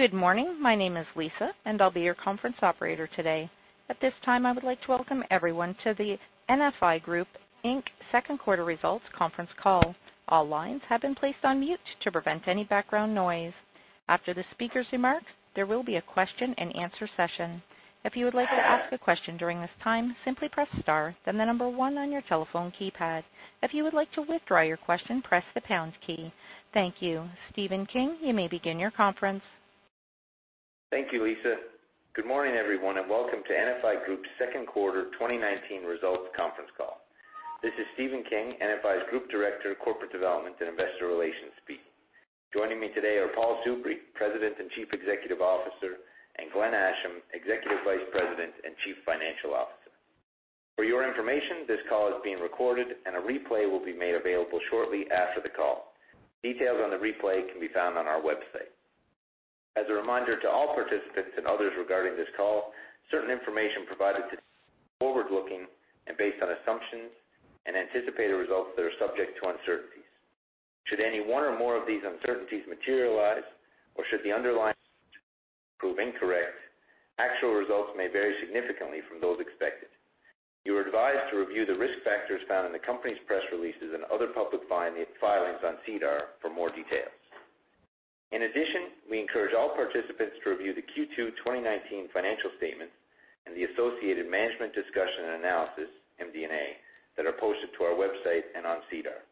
Good morning. My name is Lisa, and I'll be your conference operator today. At this time, I would like to welcome everyone to the NFI Group Inc. Second Quarter Results Conference Call. All lines have been placed on mute to prevent any background noise. After the speaker's remarks, there will be a question and answer session. If you would like to ask a question during this time, simply press star, then the number 1 on your telephone keypad. If you would like to withdraw your question, press the pounds key. Thank you. Stephen King, you may begin your conference. Thank you, Lisa. Good morning, everyone, and welcome to NFI Group's second quarter 2019 results conference call. This is Stephen King, NFI's Group Director of Corporate Development and Investor Relations speaking. Joining me today are Paul Soubry, President and Chief Executive Officer, and Glenn Asham, Executive Vice President and Chief Financial Officer. For your information, this call is being recorded, and a replay will be made available shortly after the call. Details on the replay can be found on our website. As a reminder to all participants and others regarding this call, certain information provided today is forward-looking and based on assumptions and anticipated results that are subject to uncertainties. Should any one or more of these uncertainties materialize or should the underlying prove incorrect, actual results may vary significantly from those expected. You are advised to review the risk factors found in the company's press releases and other public filings on SEDAR for more details. In addition, we encourage all participants to review the Q2 2019 financial statements and the associated management discussion and analysis, MD&A, that are posted to our website and on SEDAR.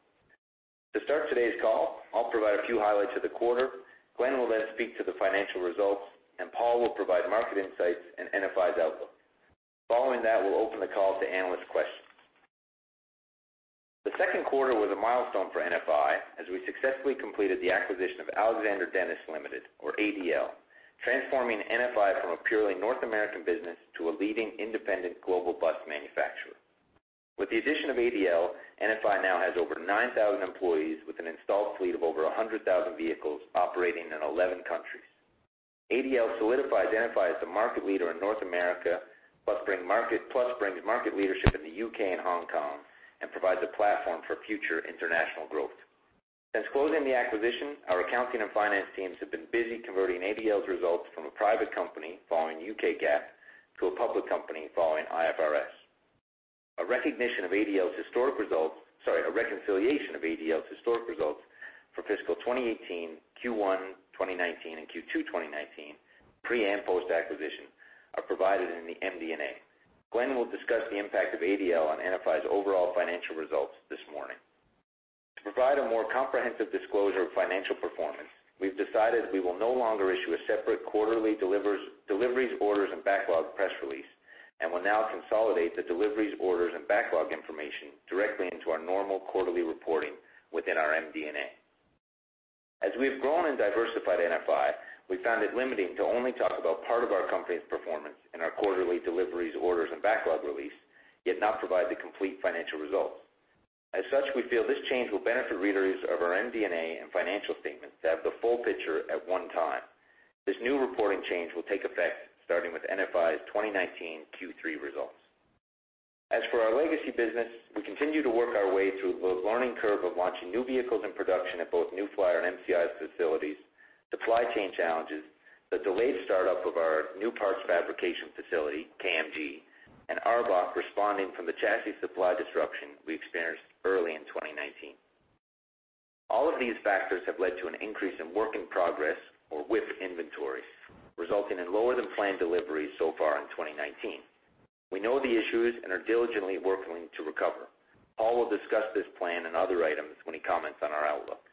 To start today's call, I'll provide a few highlights of the quarter, Glenn will then speak to the financial results, and Paul will provide market insights and NFI's outlook. Following that, we'll open the call to analyst questions. The second quarter was a milestone for NFI as we successfully completed the acquisition of Alexander Dennis Limited or ADL, transforming NFI from a purely North American business to a leading independent global bus manufacturer. With the addition of ADL, NFI now has over 9,000 employees with an installed fleet of over 100,000 vehicles operating in 11 countries. ADL solidifies NFI as the market leader in North America, plus brings market leadership in the U.K. and Hong Kong and provides a platform for future international growth. Since closing the acquisition, our accounting and finance teams have been busy converting ADL's results from a private company following UK GAAP to a public company following IFRS. A recognition of ADL's historic results, sorry, a reconciliation of ADL's historic results for fiscal 2018, Q1 2019, and Q2 2019 pre and post-acquisition are provided in the MD&A. Glenn will discuss the impact of ADL on NFI's overall financial results this morning. To provide a more comprehensive disclosure of financial performance, we've decided we will no longer issue a separate quarterly deliveries, orders, and backlog press release, and will now consolidate the deliveries, orders, and backlog information directly into our normal quarterly reporting within our MD&A. As we have grown and diversified NFI, we found it limiting to only talk about part of our company's performance in our quarterly deliveries, orders, and backlog release, yet not provide the complete financial results. As such, we feel this change will benefit readers of our MD&A and financial statements to have the full picture at one time. This new reporting change will take effect starting with NFI's 2019 Q3 results. As for our legacy business, we continue to work our way through the learning curve of launching new vehicles in production at both New Flyer and MCI's facilities, supply chain challenges, the delayed start-up of our new parts fabrication facility, KMG, and ARBOC responding from the chassis supply disruption we experienced early in 2019. All of these factors have led to an increase in work in progress or WIP inventories, resulting in lower-than-planned deliveries so far in 2019. We know the issues and are diligently working to recover. Paul will discuss this plan and other items when he comments on our outlook.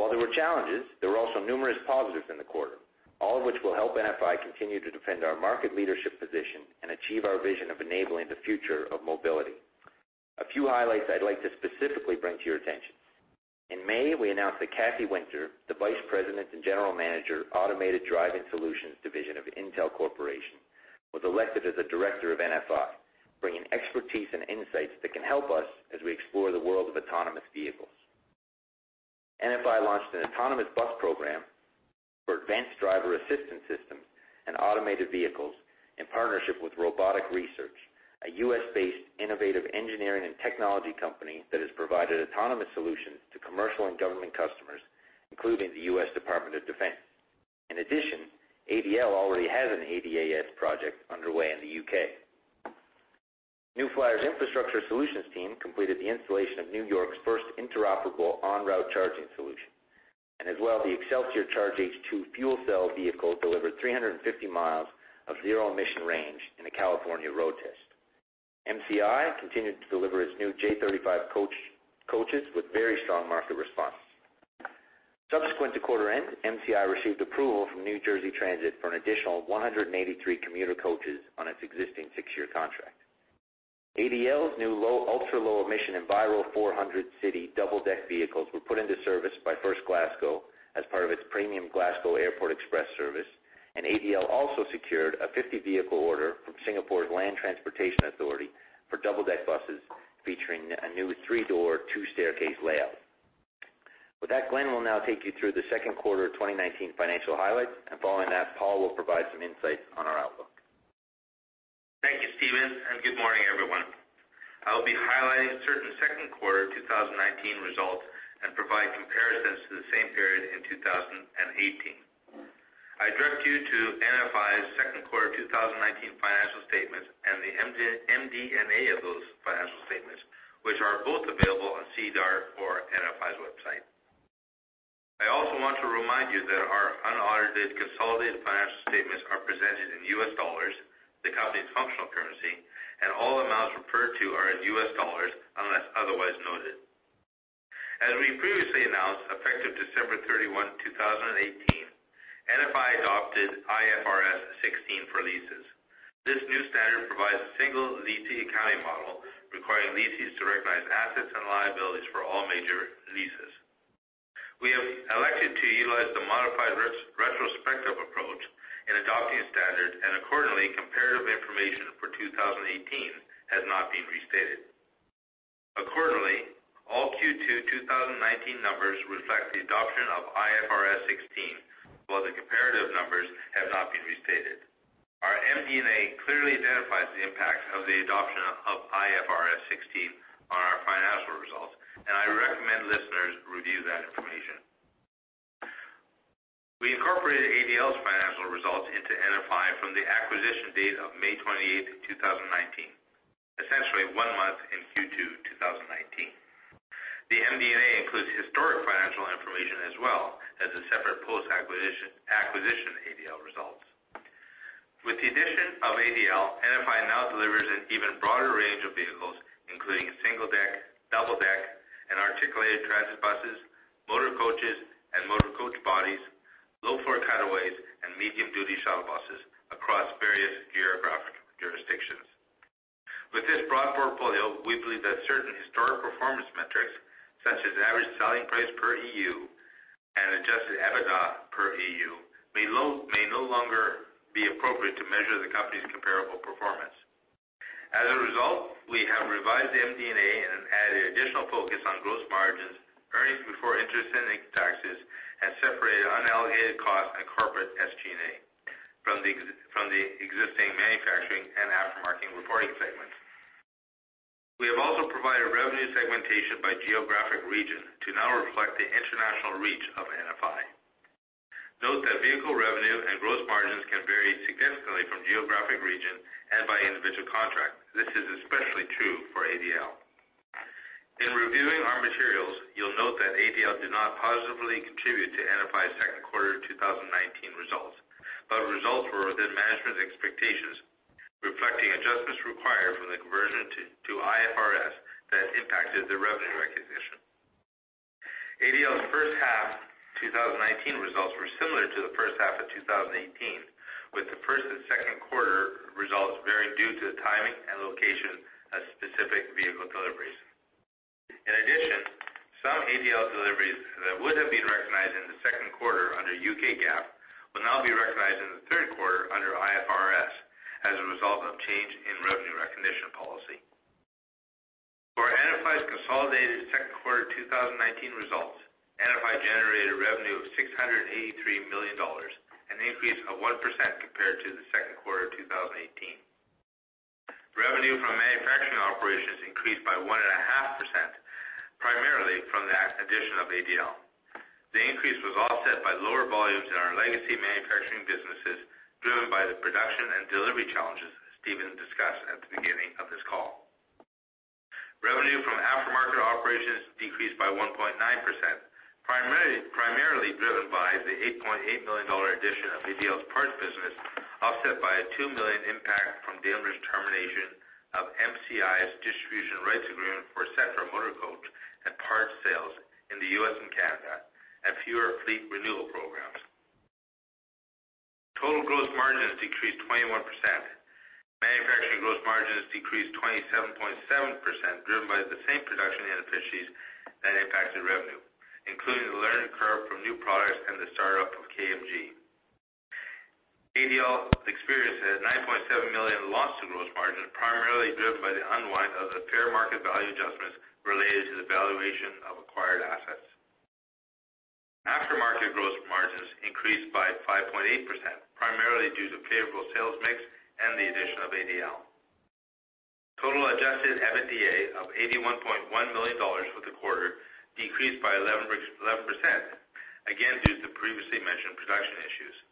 While there were challenges, there were also numerous positives in the quarter, all of which will help NFI continue to defend our market leadership position and achieve our vision of enabling the future of mobility. A few highlights I'd like to specifically bring to your attention. In May, we announced that Kathy Winter, the Vice President and General Manager, Automated Driving Solutions Division of Intel Corporation, was elected as a director of NFI, bringing expertise and insights that can help us as we explore the world of autonomous vehicles. NFI launched an autonomous bus program for advanced driver assistance systems and automated vehicles in partnership with Robotic Research, a U.S.-based innovative engineering and technology company that has provided autonomous solutions to commercial and government customers, including the U.S. Department of Defense. In addition, ADL already has an ADAS project underway in the U.K. New Flyer's infrastructure solutions team completed the installation of New York's first interoperable on-route charging solution. The Xcelsior CHARGE H2 fuel cell delivered 350 miles of zero-emission range in a California road test. MCI continued to deliver its new J35 coaches with very strong market response. Subsequent to quarter end, MCI received approval from New Jersey Transit for an additional 183 commuter coaches on its existing six-year contract. ADL's new ultra-low emission Enviro400 City double-deck vehicles were put into service by First Glasgow as part of its premium Glasgow Airport Express service, ADL also secured a 50-vehicle order from Singapore's Land Transport Authority for double-deck buses featuring a new three-door, two-staircase layout. With that, Glenn will now take you through the second quarter 2019 financial highlights, and following that, Paul will provide some insights on our outlook. Evening, and good morning, everyone. I will be highlighting certain second quarter 2019 results and provide comparisons to the same period in 2018. I direct you to NFI's second quarter 2019 financial statements and the MD&A of those financial statements, which are both available on SEDAR or NFI's website. I also want to remind you that our unaudited consolidated financial statements are presented in U.S. dollars, the company's functional currency, and all amounts referred to are as U.S. dollars, unless otherwise noted. As we previously announced, effective December 31, 2018, NFI adopted IFRS 16 for leases. This new standard provides a single lease accounting model, requiring lessees to recognize assets and liabilities for all major leases. We have elected to utilize the modified retrospective approach in adopting standard, and accordingly, comparative information for 2018 has not been restated. Accordingly, all Q2 2019 numbers reflect the adoption of IFRS 16, while the comparative numbers have not been restated. Our MD&A clearly identifies the impact of the adoption of IFRS 16 on our financial results, and I recommend listeners review that information. We incorporated ADL's financial results into NFI from the acquisition date of May 28th, 2019, essentially one month in Q2 2019. The MD&A includes historic financial information, as well as the separate post-acquisition ADL results. With the addition of ADL, NFI now delivers an even broader range of vehicles, including single-deck, double-deck, and articulated transit buses, motor coaches and motor coach bodies, low floor cutaways, and medium duty shuttle buses across various geographic jurisdictions. With this broad portfolio, we believe that certain historic performance metrics, such as average selling price per EU and adjusted EBITDA per EU, may no longer be appropriate to measure the company's comparable performance. As a result, we have revised the MD&A and added additional focus on gross margins, earnings before interest and taxes, and separated unallocated costs and corporate SG&A from the existing manufacturing and aftermarket reporting segments. We have also provided revenue segmentation by geographic region to now reflect the international reach of NFI. Note that vehicle revenue and gross margins can vary significantly from geographic region and by individual contract. This is especially true for ADL. In reviewing our materials, you'll note that ADL did not positively contribute to NFI's second quarter 2019 results, but results were within management expectations, reflecting adjustments required from the conversion to IFRS that impacted the revenue recognition. ADL's first half 2019 results were similar to the first half of 2018, with the first and second quarter results varying due to the timing and location of specific vehicle deliveries. In addition, some ADL deliveries that would have been recognized in the second quarter under UK GAAP will now be recognized in the third quarter under IFRS as a result of change in revenue recognition policy. For NFI's consolidated second quarter 2019 results, NFI generated revenue of 683 million dollars, an increase of 1% compared to the second quarter of 2018. Revenue from manufacturing operations increased by 1.5%, primarily from the addition of ADL. The increase was offset by lower volumes in our legacy manufacturing businesses, driven by the production and delivery challenges Stephen discussed at the beginning of this call. Revenue from aftermarket operations decreased by 1.9%, primarily driven by the 8.8 million dollar addition of ADL's parts business, offset by a 2 million impact from Daimler's termination of MCI's distribution rights agreement for Setra motor coach and parts sales in the U.S. and Canada, and fewer fleet renewal programs. Total gross margins decreased 21%. Manufacturing gross margins decreased 27.7%, driven by the same production inefficiencies that impacted revenue, including the learning curve from new products and the start-up of KMG. ADL experienced a $9.7 million loss in gross margins, primarily driven by the unwind of the fair market value adjustments related to the valuation of acquired assets. Aftermarket gross margins increased by 5.8%, primarily due to favorable sales mix and the addition of ADL. Total adjusted EBITDA of $81.1 million for the quarter decreased by 11%, again, due to the previously mentioned production issues.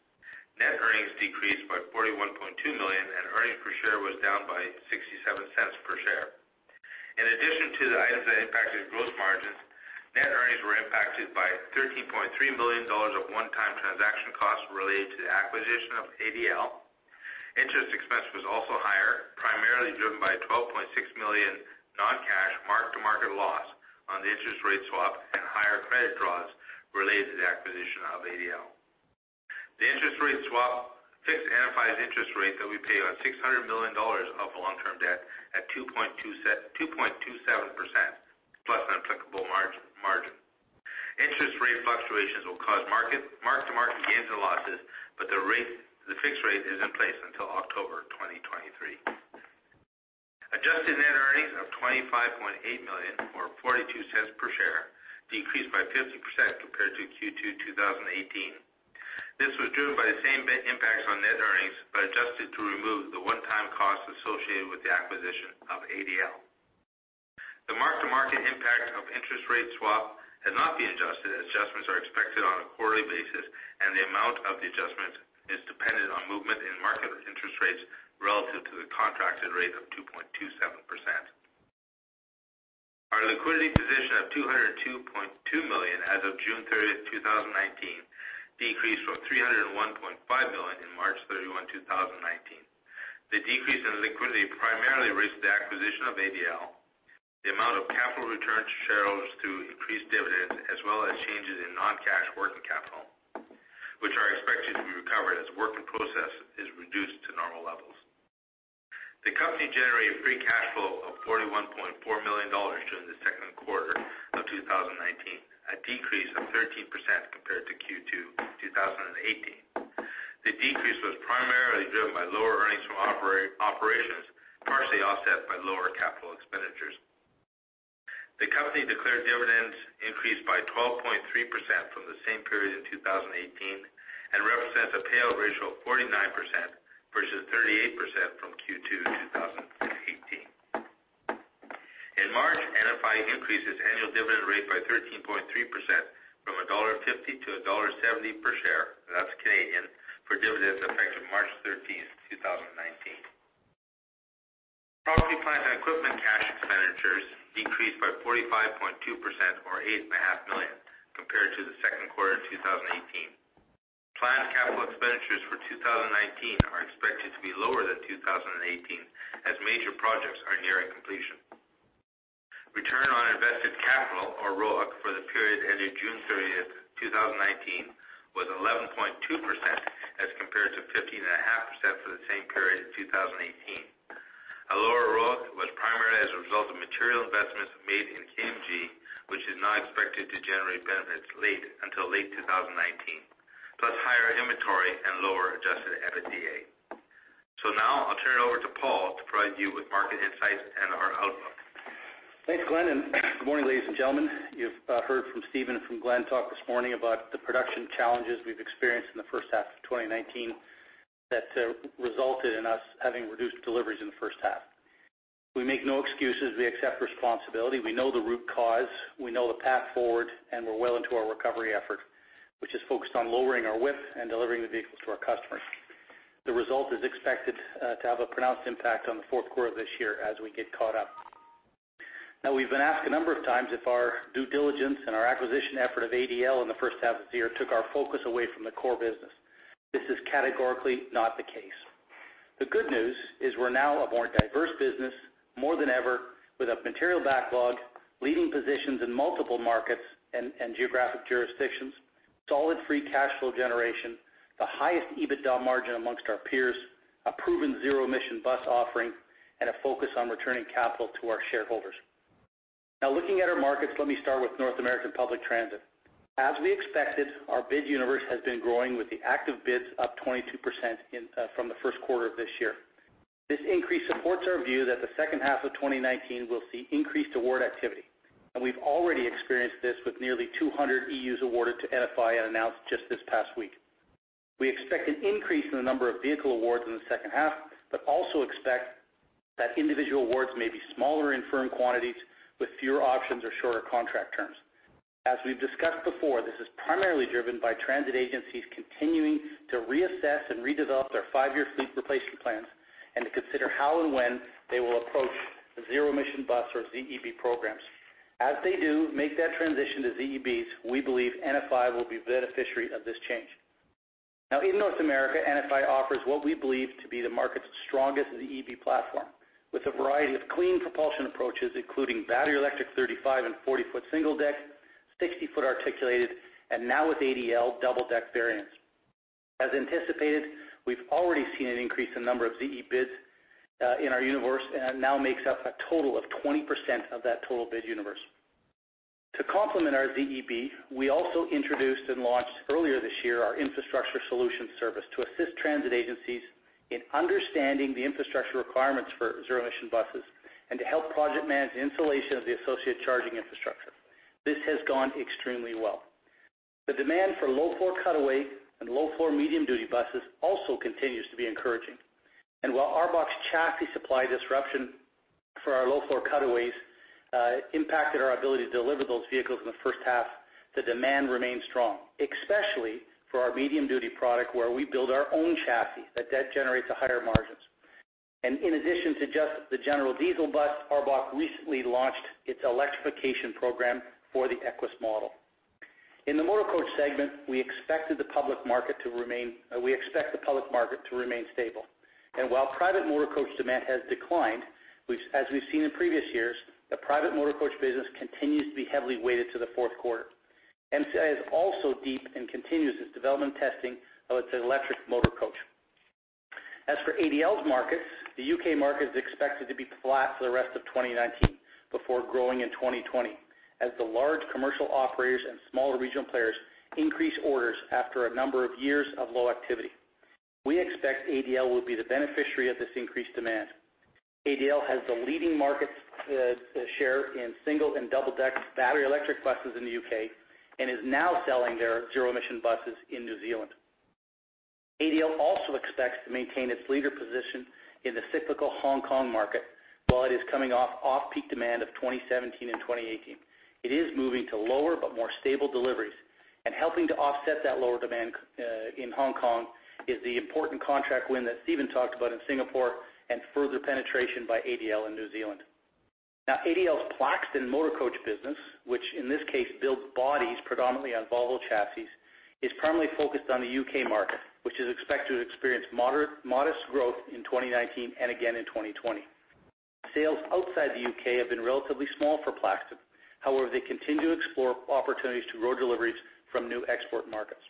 Net earnings decreased by $41.2 million, and earnings per share was down by $0.67 per share. In addition to the items that impacted gross margins, net earnings were impacted by $13.3 million of one-time transaction costs related to the acquisition of ADL. Interest expense was also higher, primarily driven by a 12.6 million non-cash mark-to-market loss on the interest rate swap and higher credit draws related to the acquisition of ADL. The interest rate swap fixed NFI's interest rate that we pay on 600 million dollars of long-term debt at 2.27% plus an applicable margin. Interest rate fluctuations will cause mark-to-market gains or losses, but the fixed rate is in place until October 2023. Adjusted net earnings-CAD 25.8 million or 0.42 per share, decreased by 50% compared to Q2 2018. This was driven by the same impacts on net earnings, but adjusted to remove the one-time costs associated with the acquisition of ADL. The mark-to-market impact of interest rate swap has not been adjusted, as adjustments are expected on a quarterly basis, and the amount of the adjustment is dependent on movement in market interest rates relative to the contracted rate of 2.27%. Our liquidity position of 202.2 million as of June 30th, 2019, decreased from 301.5 million in March 31, 2019. The decrease in liquidity primarily relates to the acquisition of ADL, the amount of capital returned to shareholders through increased dividends, as well as changes in non-cash working capital, which are expected to be recovered as work-in-process is reduced to normal levels. The company generated free cash flow of 41.4 million dollars during the second quarter of 2019, a decrease of 13% compared to Q2 2018. The decrease was primarily driven by lower earnings from operations, partially offset by lower capital expenditures. The company declared dividends increased by 12.3% from the same period in 2018, and represents a payout ratio of 49% versus 38% from Q2 2018. In March, NFI increased its annual dividend rate by 13.3%, from dollar 1.50 to dollar 1.70 per share, that's Canadian, for dividends effective March 13th, 2019. Property, plant, and equipment cash expenditures decreased by 45.2%, or 8.5 million compared to the second quarter of 2018. Planned capital expenditures for 2019 are expected to be lower than 2018, as major projects are nearing completion. Return on invested capital, or ROIC, for the period ending June 30th, 2019, was 11.2%, as compared to 15.5% for the same period in 2018. A lower ROIC was primarily as a result of material investments made in KMG, which is now expected to generate benefits until late 2019, plus higher inventory and lower adjusted EBITDA. Now I'll turn it over to Paul to provide you with market insights and our outlook. Thanks, Glenn. Good morning, ladies and gentlemen. You've heard from Stephen and from Glenn talk this morning about the production challenges we've experienced in the first half of 2019 that resulted in us having reduced deliveries in the first half. We make no excuses. We accept responsibility. We know the root cause, we know the path forward, and we're well into our recovery effort, which is focused on lowering our WIP and delivering the vehicles to our customers. The result is expected to have a pronounced impact on the fourth quarter of this year as we get caught up. We've been asked a number of times if our due diligence and our acquisition effort of ADL in the first half of this year took our focus away from the core business. This is categorically not the case. The good news is we're now a more diverse business more than ever, with a material backlog, leading positions in multiple markets and geographic jurisdictions, solid free cash flow generation, the highest EBITDA margin amongst our peers, a proven zero-emission bus offering, and a focus on returning capital to our shareholders. Now looking at our markets, let me start with North American public transit. As we expected, our bid universe has been growing with the active bids up 22% from the first quarter of this year. This increase supports our view that the second half of 2019 will see increased award activity, and we've already experienced this with nearly 200 EUs awarded to NFI and announced just this past week. We expect an increase in the number of vehicle awards in the second half, but also expect that individual awards may be smaller in firm quantities with fewer options or shorter contract terms. As we've discussed before, this is primarily driven by transit agencies continuing to reassess and redevelop their five-year fleet replacement plans and to consider how and when they will approach Zero-Emission Bus or ZEB programs. As they do make that transition to ZEBs, we believe NFI will be beneficiary of this change. In North America, NFI offers what we believe to be the market's strongest ZEB platform, with a variety of clean propulsion approaches, including battery electric 35 and 40-foot single deck, 60-foot articulated, and now with ADL, double-deck variants. As anticipated, we've already seen an increase in number of ZEB bids in our universe, and it now makes up a total of 20% of that total bid universe. To complement our ZEB, we also introduced and launched earlier this year our infrastructure solution service to assist transit agencies in understanding the infrastructure requirements for zero-emission buses and to help project manage the installation of the associated charging infrastructure. This has gone extremely well. The demand for low-floor cutaway and low-floor medium-duty buses also continues to be encouraging. While ARBOC's chassis supply disruption for our low-floor cutaways impacted our ability to deliver those vehicles in the first half, the demand remains strong, especially for our medium-duty product, where we build our own chassis, that generates higher margins. In addition to just the general diesel bus, ARBOC recently launched its electrification program for the Equess model. In the motorcoach segment, we expect the public market to remain stable. While private motorcoach demand has declined, as we've seen in previous years, the private motorcoach business continues to be heavily weighted to the fourth quarter. MCI is also deep and continues its development testing of its electric motorcoach. For ADL's markets, the U.K. market is expected to be flat for the rest of 2019 before growing in 2020 as the large commercial operators and smaller regional players increase orders after a number of years of low activity. We expect ADL will be the beneficiary of this increased demand. ADL has the leading market share in single and double-deck battery electric buses in the U.K. and is now selling their Zero-Emission Buses in New Zealand. ADL also expects to maintain its leader position in the cyclical Hong Kong market while it is coming off peak demand of 2017 and 2018. It is moving to lower but more stable deliveries, and helping to offset that lower demand in Hong Kong is the important contract win that Stephen talked about in Singapore and further penetration by ADL in New Zealand. Now, ADL's Plaxton motor coach business, which in this case builds bodies predominantly on Volvo chassis, is primarily focused on the U.K. market, which is expected to experience modest growth in 2019 and again in 2020. Sales outside the U.K. have been relatively small for Plaxton. However, they continue to explore opportunities to grow deliveries from new export markets.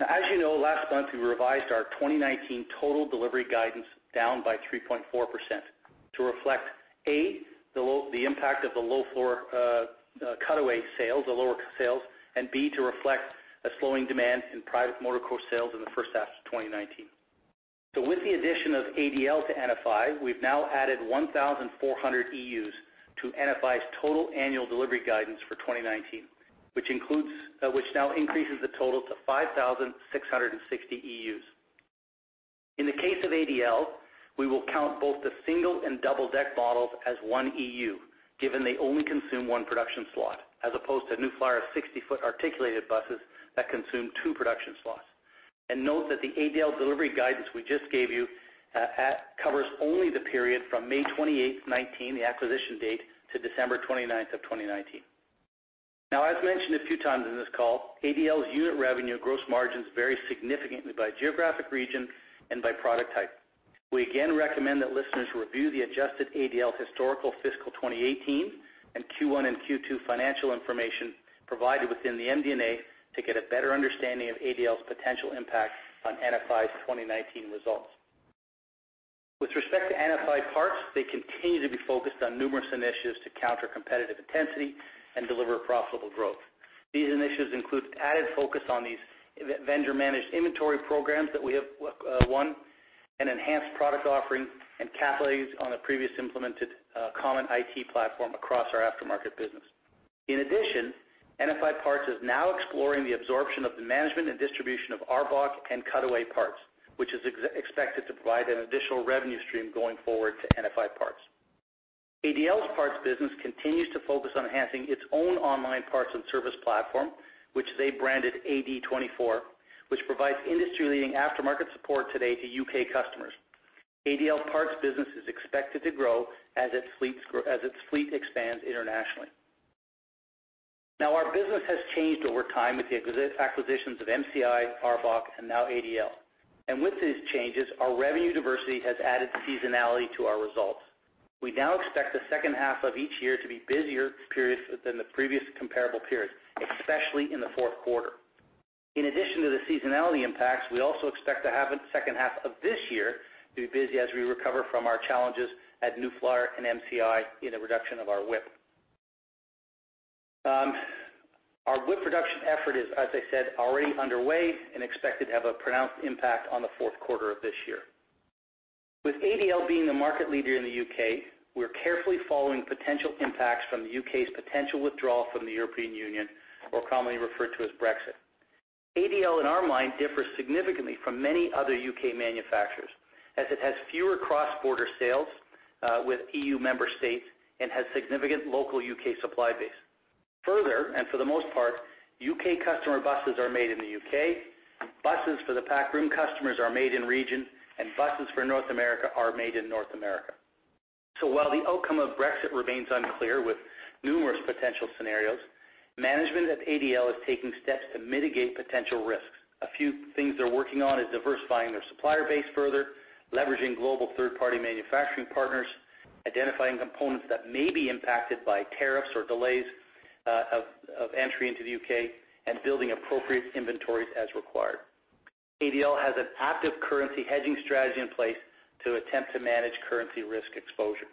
As you know, last month, we revised our 2019 total delivery guidance down by 3.4% to reflect, A, the impact of the low-floor cutaway sales, the lower sales, and B, to reflect a slowing demand in private motor coach sales in the first half of 2019. With the addition of ADL to NFI, we've now added 1,400 EUs to NFI's total annual delivery guidance for 2019, which now increases the total to 5,660 EUs. In the case of ADL, we will count both the single and double-deck models as one EU, given they only consume one production slot, as opposed to New Flyer's 60-foot articulated buses that consume two production slots. Note that the ADL delivery guidance we just gave you covers only the period from May 28th, 2019, the acquisition date, to December 29th, 2019. As mentioned a few times in this call, ADL's unit revenue gross margins vary significantly by geographic region and by product type. We again recommend that listeners review the adjusted ADL historical fiscal 2018 and Q1 and Q2 financial information provided within the MD&A to get a better understanding of ADL's potential impact on NFI's 2019 results. With respect to NFI Parts, they continue to be focused on numerous initiatives to counter competitive intensity and deliver profitable growth. These initiatives include added focus on these vendor-managed inventory programs that we have won, an enhanced product offering, and capabilities on a previously implemented common IT platform across our aftermarket business. NFI Parts is now exploring the absorption of the management and distribution of ARBOC and Cutaway parts, which is expected to provide an additional revenue stream going forward to NFI Parts. ADL's parts business continues to focus on enhancing its own online parts and service platform, which they branded AD24, which provides industry-leading aftermarket support today to U.K. customers. ADL parts business is expected to grow as its fleet expands internationally. Our business has changed over time with the acquisitions of MCI, ARBOC, and now ADL. With these changes, our revenue diversity has added seasonality to our results. We now expect the second half of each year to be busier periods than the previous comparable periods, especially in the fourth quarter. In addition to the seasonality impacts, we also expect to have the second half of this year to be busy as we recover from our challenges at New Flyer and MCI in the reduction of our WIP. Our WIP reduction effort is, as I said, already underway and expected to have a pronounced impact on the fourth quarter of this year. With ADL being the market leader in the U.K., we're carefully following potential impacts from the U.K.'s potential withdrawal from the European Union, more commonly referred to as Brexit. ADL, in our mind, differs significantly from many other U.K. manufacturers, as it has fewer cross-border sales with EU member states and has significant local U.K. supply base. For the most part, U.K. customer buses are made in the U.K., buses for the Far East customers are made in region, and buses for North America are made in North America. While the outcome of Brexit remains unclear with numerous potential scenarios, management at ADL is taking steps to mitigate potential risks. A few things they're working on is diversifying their supplier base further, leveraging global third-party manufacturing partners, identifying components that may be impacted by tariffs or delays of entry into the U.K., and building appropriate inventories as required. ADL has an active currency hedging strategy in place to attempt to manage currency risk exposure.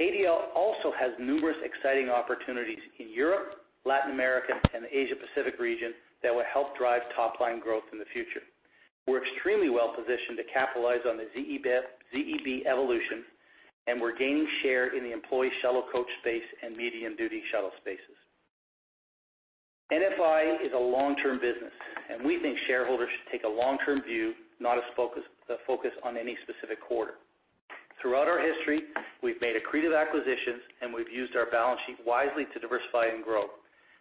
ADL also has numerous exciting opportunities in Europe, Latin America, and the Asia Pacific region that will help drive top-line growth in the future. We're extremely well-positioned to capitalize on the ZEB evolution, and we're gaining share in the employee shuttle coach space and medium-duty shuttle spaces. NFI is a long-term business, and we think shareholders should take a long-term view, not a focus on any specific quarter. Throughout our history, we've made accretive acquisitions, and we've used our balance sheet wisely to diversify and grow.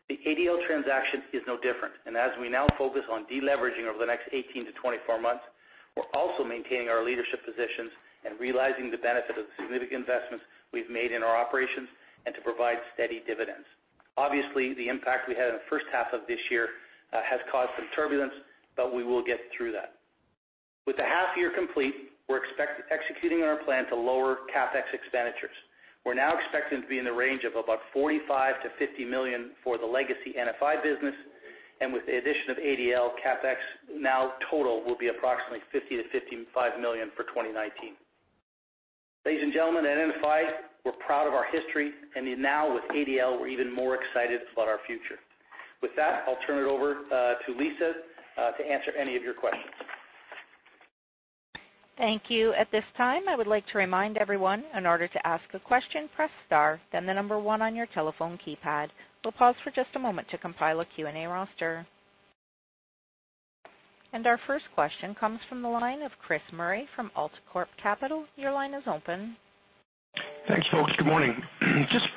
The ADL transaction is no different. As we now focus on deleveraging over the next 18-24 months, we're also maintaining our leadership positions and realizing the benefit of the significant investments we've made in our operations and to provide steady dividends. Obviously, the impact we had in the first half of this year has caused some turbulence. We will get through that. With the half year complete, we're executing on our plan to lower CapEx expenditures. We're now expecting it to be in the range of about $45 million-$50 million for the legacy NFI business. With the addition of ADL, CapEx now total will be approximately $50 million-$55 million for 2019. Ladies and gentlemen, at NFI, we're proud of our history. Now with ADL, we're even more excited about our future. With that, I'll turn it over to Lisa to answer any of your questions. Thank you. At this time, I would like to remind everyone, in order to ask a question, press star, then the number 1 on your telephone keypad. We'll pause for just a moment to compile a Q&A roster. Our first question comes from the line of Chris Murray from AltaCorp Capital. Your line is open. Thanks, folks. Good morning. Just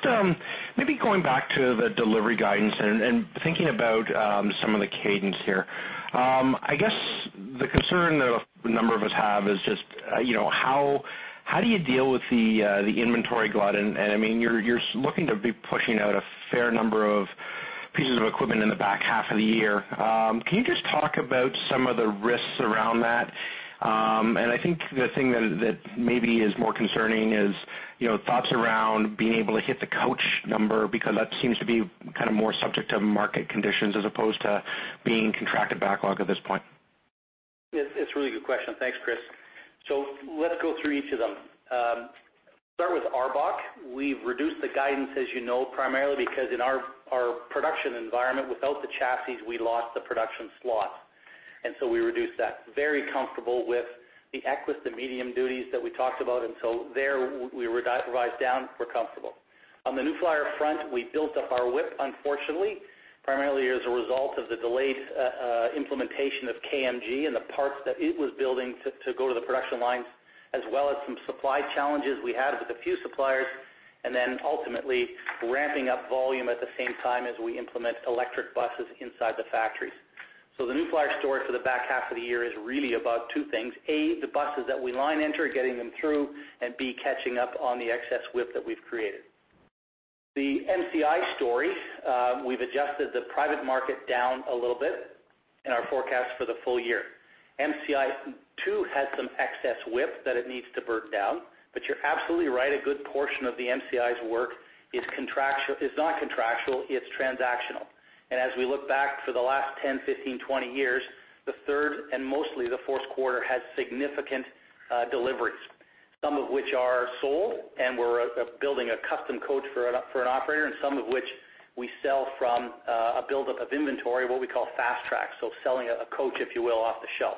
maybe going back to the delivery guidance and thinking about some of the cadence here. I guess the concern that a number of us have is just how do you deal with the inventory glut? You're looking to be pushing out a fair number of pieces of equipment in the back half of the year. Can you just talk about some of the risks around that? I think the thing that maybe is more concerning is, thoughts around being able to hit the coach number, because that seems to be more subject to market conditions as opposed to being contracted backlog at this point. It's a really good question. Thanks, Chris. Let's go through each of them. Start with ARBOC. We've reduced the guidance, as you know, primarily because in our production environment, without the chassis, we lost the production slots, and so we reduced that. Very comfortable with the Equus, the medium duties that we talked about, and so there we revised down. We're comfortable. On the New Flyer front, we built up our WIP, unfortunately, primarily as a result of the delayed implementation of KMG and the parts that it was building to go to the production lines, as well as some supply challenges we had with a few suppliers, and then ultimately ramping up volume at the same time as we implement electric buses inside the factories. The New Flyer story for the back half of the year is really about two things. A, the buses that we line enter, getting them through, and B, catching up on the excess WIP that we've created. The MCI story, we've adjusted the private market down a little bit in our forecast for the full year. MCI, too, had some excess WIP that it needs to burn down. You're absolutely right. A good portion of the MCI's work is not contractual, it's transactional. As we look back for the last 10, 15, 20 years, the third and mostly the fourth quarter has significant deliveries, some of which are sold, and we're building a custom coach for an operator, and some of which we sell from a buildup of inventory, what we call fast track, selling a coach, if you will, off the shelf.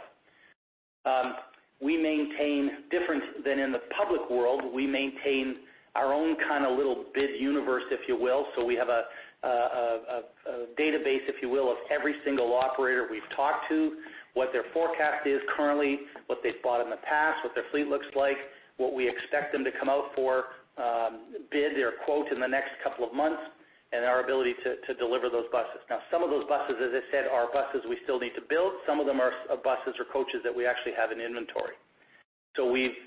Different than in the public world, we maintain our own kind of little bid universe, if you will. We have a database, if you will, of every single operator we've talked to, what their forecast is currently, what they've bought in the past, what their fleet looks like, what we expect them to come out for bid or quote in the next couple of months, and our ability to deliver those buses. Some of those buses, as I said, are buses we still need to build. Some of them are buses or coaches that we actually have in inventory. We've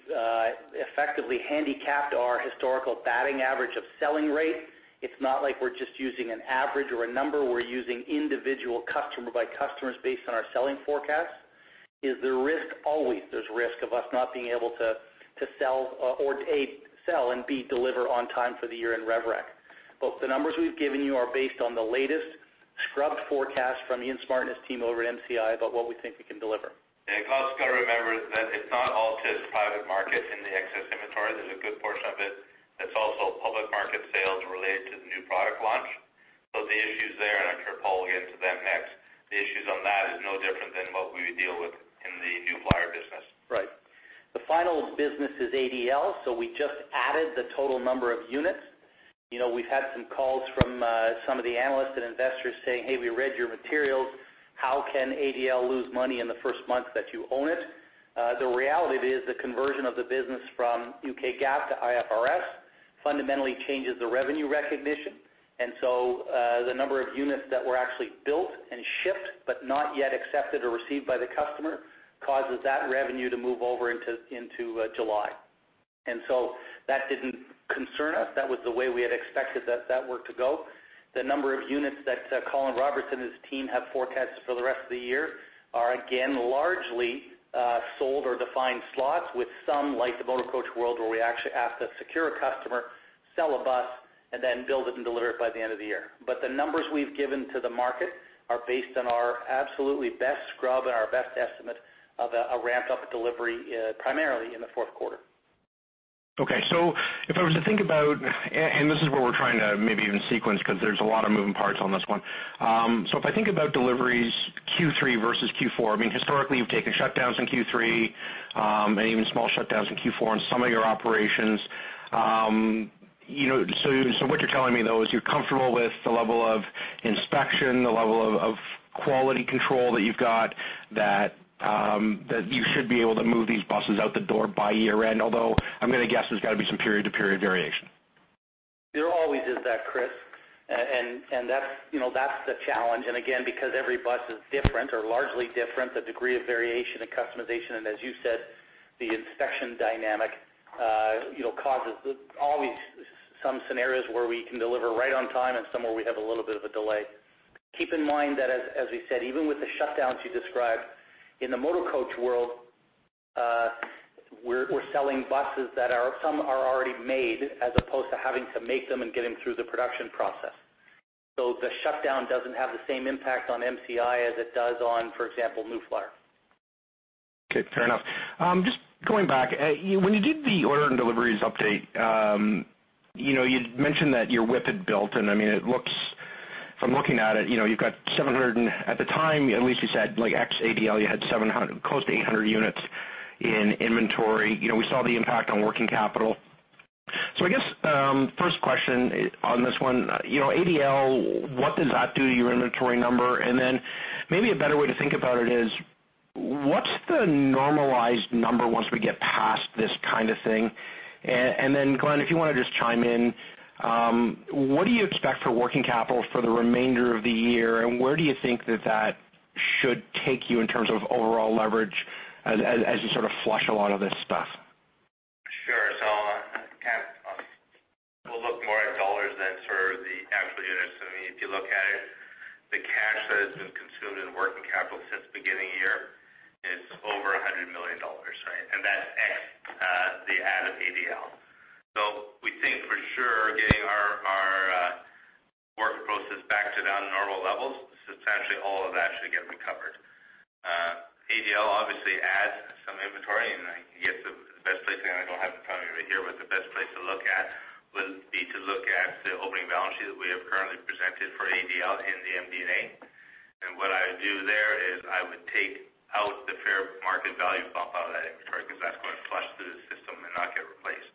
effectively handicapped our historical batting average of selling rate. It's not like we're just using an average or a number. We're using individual customer by customers based on our selling forecast. Is there risk? Always there's risk of us not being able to sell or, A, sell and, B, deliver on time for the year in rev rec. The numbers we've given you are based on the latest scrubbed forecast from Ian Smart and his team over at MCI about what we think we can deliver. You've also got to remember that it's not all just private markets in the excess inventory. There's a good portion of it that's also public market sales related to the new product launch. The issues there, and I'm sure Paul will get into that next, the issues on that is no different than what we deal with in the New Flyer business. Right. The final business is ADL, so we just added the total number of units. We've had some calls from some of the analysts and investors saying, "Hey, we read your materials. How can ADL lose money in the first month that you own it?" The reality of it is the conversion of the business from UK GAAP to IFRS fundamentally changes the revenue recognition, and so the number of units that were actually built and shipped but not yet accepted or received by the customer causes that revenue to move over into July. That didn't concern us. That was the way we had expected that work to go. The number of units that Colin Robertson and his team have forecasted for the rest of the year are again largely sold or defined slots with some like the motor coach world where we actually have to secure a customer, sell a bus, and then build it and deliver it by the end of the year. The numbers we've given to the market are based on our absolutely best scrub and our best estimate of a ramp-up delivery primarily in the fourth quarter. Okay. If I was to think about, and this is where we're trying to maybe even sequence, because there's a lot of moving parts on this one. If I think about deliveries Q3 versus Q4, historically, you've taken shutdowns in Q3, and even small shutdowns in Q4 in some of your operations. What you're telling me, though, is you're comfortable with the level of inspection, the level of quality control that you've got, that you should be able to move these buses out the door by year-end. Although, I'm going to guess there's got to be some period-to-period variation. There always is that, Chris. That's the challenge. Again, because every bus is different or largely different, the degree of variation and customization, and as you said, the inspection dynamic causes always some scenarios where we can deliver right on time and some where we have a little bit of a delay. Keep in mind that, as we said, even with the shutdowns you described, in the motor coach world, we're selling buses that some are already made as opposed to having to make them and get them through the production process. The shutdown doesn't have the same impact on MCI as it does on, for example, New Flyer. Okay, fair enough. Just going back, when you did the order and deliveries update, you'd mentioned that your WIP had built and from looking at it, you've got 700 and at the time, at least you said like ex ADL, you had close to 800 units in inventory. We saw the impact on working capital. I guess, first question on this one, ADL, what does that do to your inventory number? Maybe a better way to think about it is, what's the normalized number once we get past this kind of thing? Glenn, if you want to just chime in, what do you expect for working capital for the remainder of the year, and where do you think that that should take you in terms of overall leverage as you sort of flush a lot of this stuff? Sure. We'll look more at dollars than for the actual units. If you look at it, the cash that has been consumed in working capital since the beginning of the year is over $100 million, right? That's ex the add of ADL. We think for sure getting our WIP back to that normal level, substantially all of that should get recovered. ADL obviously adds some inventory, and I guess the best place, and I don't have it in front of me right here, but the best place to look at would be to look at the opening balance sheet that we have currently presented for ADL in the MD&A. What I would do there is I would take out the fair market value bump out of that inventory because that's going to flush through the system and not get replaced.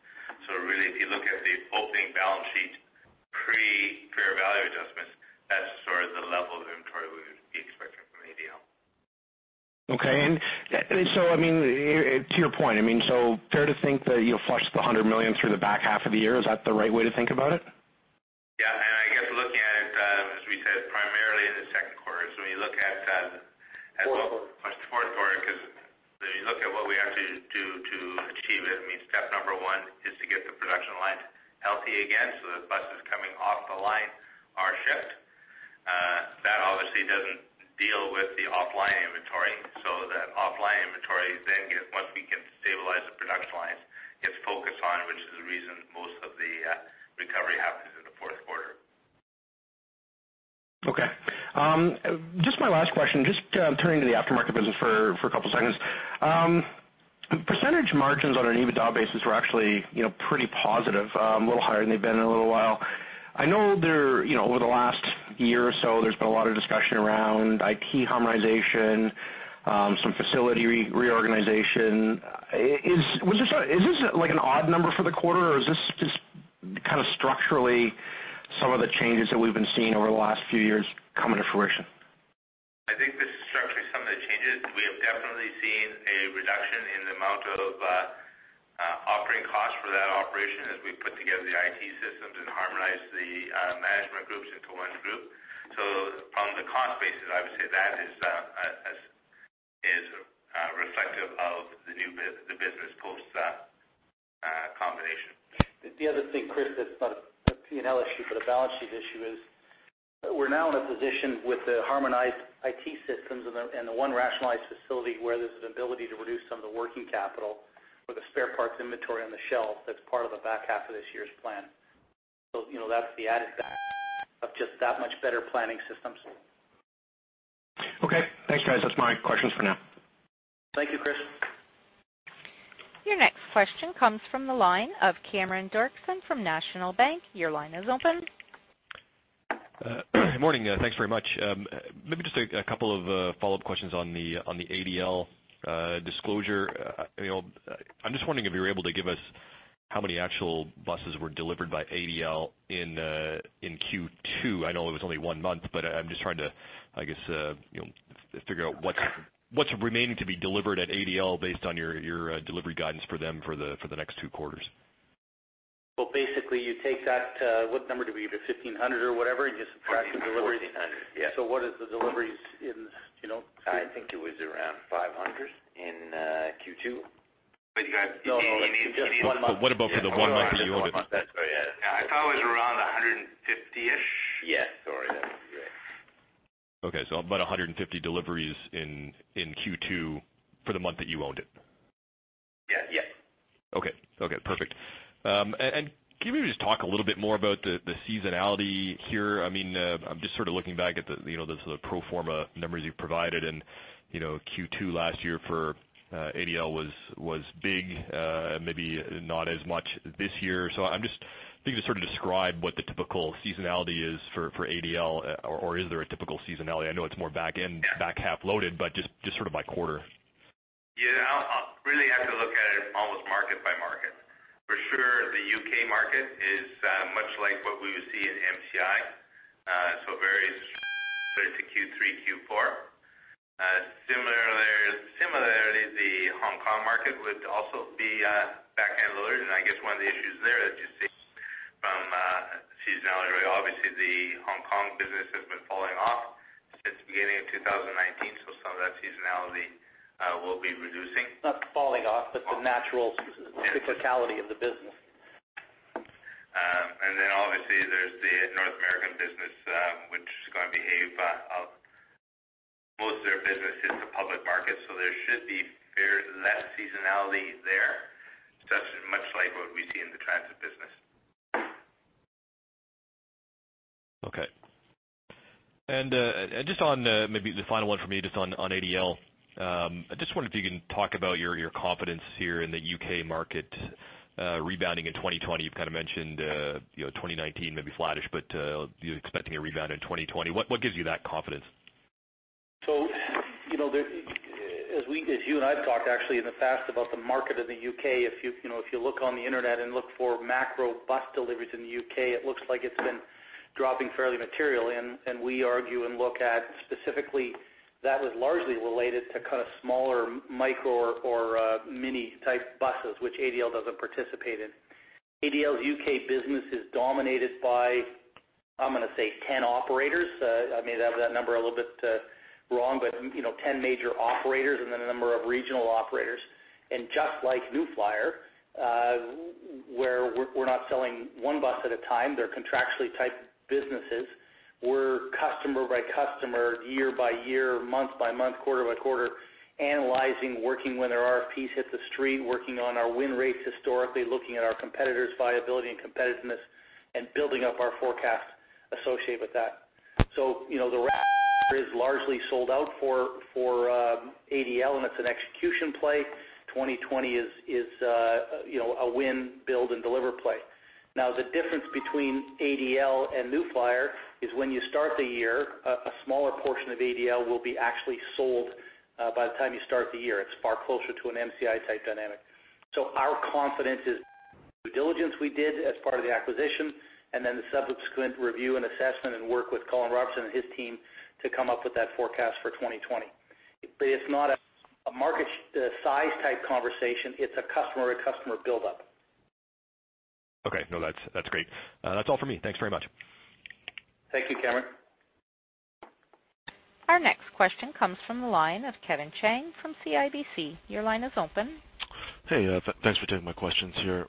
Really, if you look at the opening balance sheet pre fair value adjustments, that's sort of the level of inventory we would be expecting from ADL. Okay. To your point, fair to think that you'll flush the 100 million through the back half of the year, is that the right way to think about it? Yeah, I guess looking at it, as we said, primarily in the second quarter. Fourth quarter. Fourth quarter. If you look at what we have to do to achieve it, step number one is to get the production lines healthy again so that buses coming off the line are shipped. That obviously doesn't deal with the offline inventory. That offline inventory then, once we can stabilize the production lines, gets focused on, which is the reason most of the recovery happens in the fourth quarter. Okay. Just my last question, just turning to the aftermarket business for a couple seconds. Percentage margins on an EBITDA basis were actually pretty positive, a little higher than they've been in a little while. I know over the last year or so, there's been a lot of discussion around IT harmonization, some facility reorganization. Is this like an odd number for the quarter or is this just kind of structurally some of the changes that we've been seeing over the last few years coming to fruition? I think this is structurally some of the changes. We have definitely seen a reduction in the amount of operating costs for that operation as we put together the IT systems and harmonize the management groups into one group. From the cost basis, I would say that is reflective of the business post combination. The other thing, Chris, that's not a P&L issue, but a balance sheet issue is we're now in a position with the harmonized IT systems and the one rationalized facility where there's an ability to reduce some of the working capital for the spare parts inventory on the shelf that's part of the back half of this year's plan. That's the added value of just that much better planning systems. Okay. Thanks, guys. That is my questions for now. Thank you, Chris. Your next question comes from the line of Cameron Doerksen from National Bank. Your line is open. Good morning. Thanks very much. Maybe just a couple of follow-up questions on the ADL disclosure. I'm just wondering if you're able to give us how many actual buses were delivered by ADL in Q2. I know it was only one month, but I'm just trying to, I guess, figure out what's remaining to be delivered at ADL based on your delivery guidance for them for the next two quarters. Well, basically you take that, what number did we give you? 1,500 or whatever and just subtract the deliveries. 1,400. Yeah. What is the deliveries in? I think it was around 500 in Q2. What about for the one month that you owned it? I thought it was around 150-ish. Yes. Sorry. That's correct. Okay. About 150 deliveries in Q2 for the month that you owned it. Yeah. Yeah. Okay. Perfect. Can you just talk a little bit more about the seasonality here? I'm just sort of looking back at the pro forma numbers you provided and Q2 last year for ADL was big, maybe not as much this year. I'm just thinking to sort of describe what the typical seasonality is for ADL or is there a typical seasonality? I know it's more back half loaded, but just sort of by quarter. Yeah. Really have to look at it almost market by market. For sure the U.K. market is much like what we would see in MCI. It varies sort of to Q3, Q4. Similarly, the Hong Kong market would also be back end loaded and I guess one of the issues there that you see from seasonality, obviously the Hong Kong business has been falling off since the beginning of 2019, so some of that seasonality will be reducing. Not falling off, but the natural cyclicality of the business. Obviously there's the North American business, which is going to behave. There should be less seasonality there. That's much like what we see in the transit business. Okay. Just on maybe the final one for me, just on ADL. I just wonder if you can talk about your confidence here in the U.K. market rebounding in 2020. You've kind of mentioned 2019 may be flattish, but you're expecting a rebound in 2020. What gives you that confidence? As you and I've talked actually in the past about the market in the U.K., if you look on the internet and look for macro bus deliveries in the U.K., it looks like it's been dropping fairly materially. We argue and look at specifically that was largely related to kind of smaller micro or mini type buses, which ADL doesn't participate in. ADL's U.K. business is dominated by, I'm going to say, 10 operators. I may have that number a little bit wrong, 10 major operators and then a number of regional operators. Just like New Flyer, where we're not selling one bus at a time, they're contractually typed businesses. We're customer by customer, year by year, month by month, quarter by quarter, analyzing, working when there are piece hit the street, working on our win rates historically, looking at our competitors' viability and competitiveness, and building up our forecast associated with that. The rest is largely sold out for ADL, and it's an execution play. 2020 is a win, build, and deliver play. The difference between ADL and New Flyer is when you start the year, a smaller portion of ADL will be actually sold by the time you start the year. It's far closer to an MCI type dynamic. Our confidence is due diligence we did as part of the acquisition, and then the subsequent review and assessment and work with Colin Robertson and his team to come up with that forecast for 2020. It's not a market size type conversation. It's a customer buildup. Okay. No, that's great. That's all for me. Thanks very much. Thank you, Cameron. Our next question comes from the line of Kevin Chiang from CIBC. Your line is open. Hey, thanks for taking my questions here.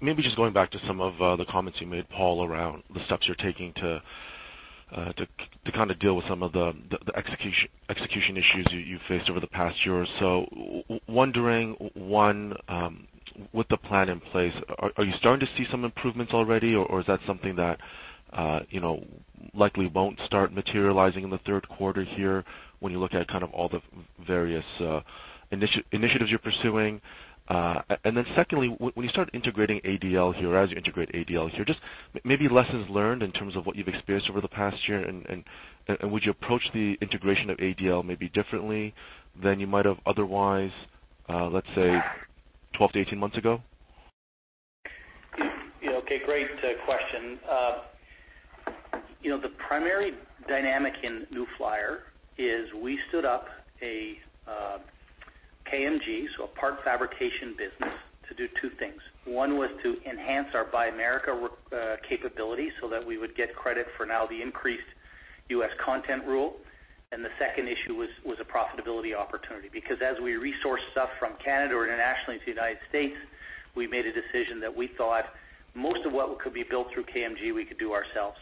Maybe just going back to some of the comments you made, Paul Soubry, around the steps you're taking to kind of deal with some of the execution issues you faced over the past year or so. Wondering, one, with the plan in place, are you starting to see some improvements already, or is that something that likely won't start materializing in the third quarter here when you look at kind of all the various initiatives you're pursuing? Secondly, when you start integrating ADL here, as you integrate ADL here, just maybe lessons learned in terms of what you've experienced over the past year, and would you approach the integration of ADL maybe differently than you might have otherwise, let's say, 12-18 months ago? Okay, great question. The primary dynamic in New Flyer is we stood up a KMG, so a part fabrication business to do two things. One was to enhance our Buy America capability so that we would get credit for now the increased U.S. content rule. The second issue was a profitability opportunity, because as we resource stuff from Canada or internationally to the United States, we made a decision that we thought most of what could be built through KMG, we could do ourselves.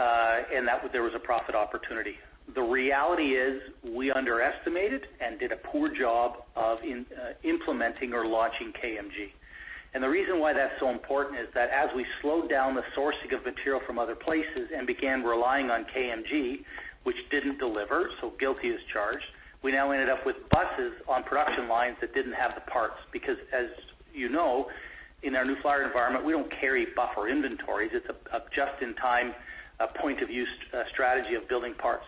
That there was a profit opportunity. The reality is we underestimated and did a poor job of implementing or launching KMG. The reason why that's so important is that as we slowed down the sourcing of material from other places and began relying on KMG, which didn't deliver, so guilty as charged, we now ended up with buses on production lines that didn't have the parts, because as you know, in our New Flyer environment, we don't carry buffer inventories. It's a just-in-time, point of use strategy of building parts.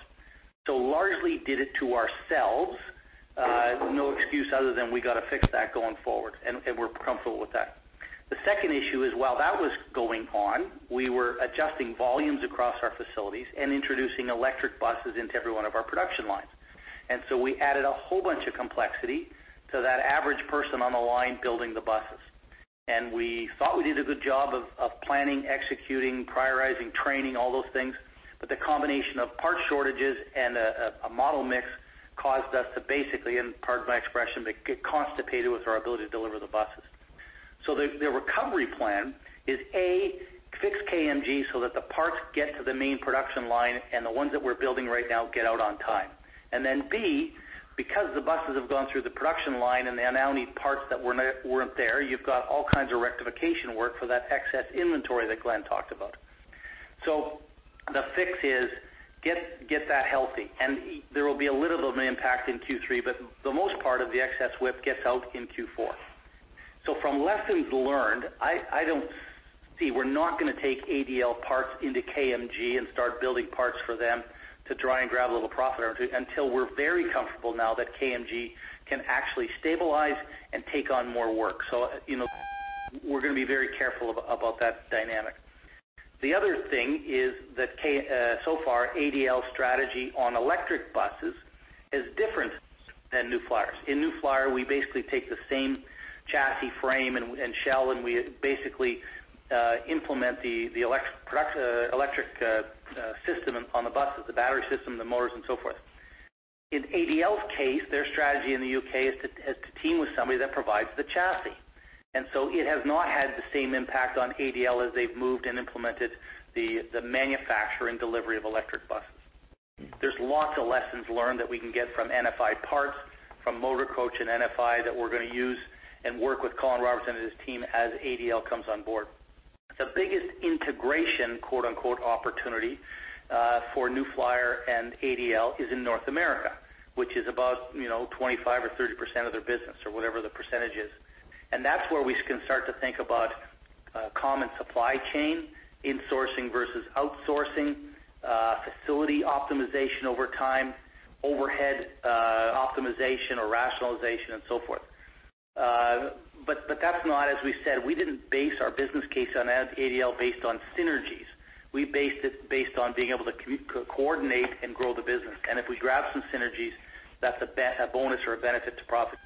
Largely did it to ourselves. No excuse other than we got to fix that going forward, and we're comfortable with that. The second issue is, while that was going on, we were adjusting volumes across our facilities and introducing electric buses into every one of our production lines. We added a whole bunch of complexity to that average person on the line building the buses. We thought we did a good job of planning, executing, prioritizing, training, all those things. The combination of part shortages and a model mix caused us to basically, and pardon my expression, but get constipated with our ability to deliver the buses. The recovery plan is, A, fix KMG so that the parts get to the main production line, and the ones that we're building right now get out on time. B, because the buses have gone through the production line and they now need parts that weren't there, you've got all kinds of rectification work for that excess inventory that Glenn talked about. The fix is get that healthy, and there will be a little of an impact in Q3, but the most part of the excess WIP gets out in Q4. From lessons learned, we're not going to take ADL parts into KMG and start building parts for them to try and grab a little profit until we're very comfortable now that KMG can actually stabilize and take on more work. The other thing is that so far, ADL's strategy on electric buses is different than New Flyer's. In New Flyer, we basically take the same chassis frame and shell, and we basically implement the electric system on the bus, the battery system, the motors and so forth. In ADL's case, their strategy in the U.K. is to team with somebody that provides the chassis. It has not had the same impact on ADL as they've moved and implemented the manufacturing delivery of electric buses. There's lots of lessons learned that we can get from NFI Parts, from Motor Coach and NFI that we're going to use and work with Colin Robertson and his team as ADL comes on board. The biggest integration, quote unquote, opportunity for New Flyer and ADL is in North America, which is about 25% or 30% of their business or whatever the percentage is. That's where we can start to think about common supply chain, insourcing versus outsourcing, facility optimization over time, overhead optimization or rationalization and so forth. That's not, as we said, we didn't base our business case on ADL based on synergies. We based it based on being able to coordinate and grow the business. If we grab some synergies, that's a bonus or a benefit to profit.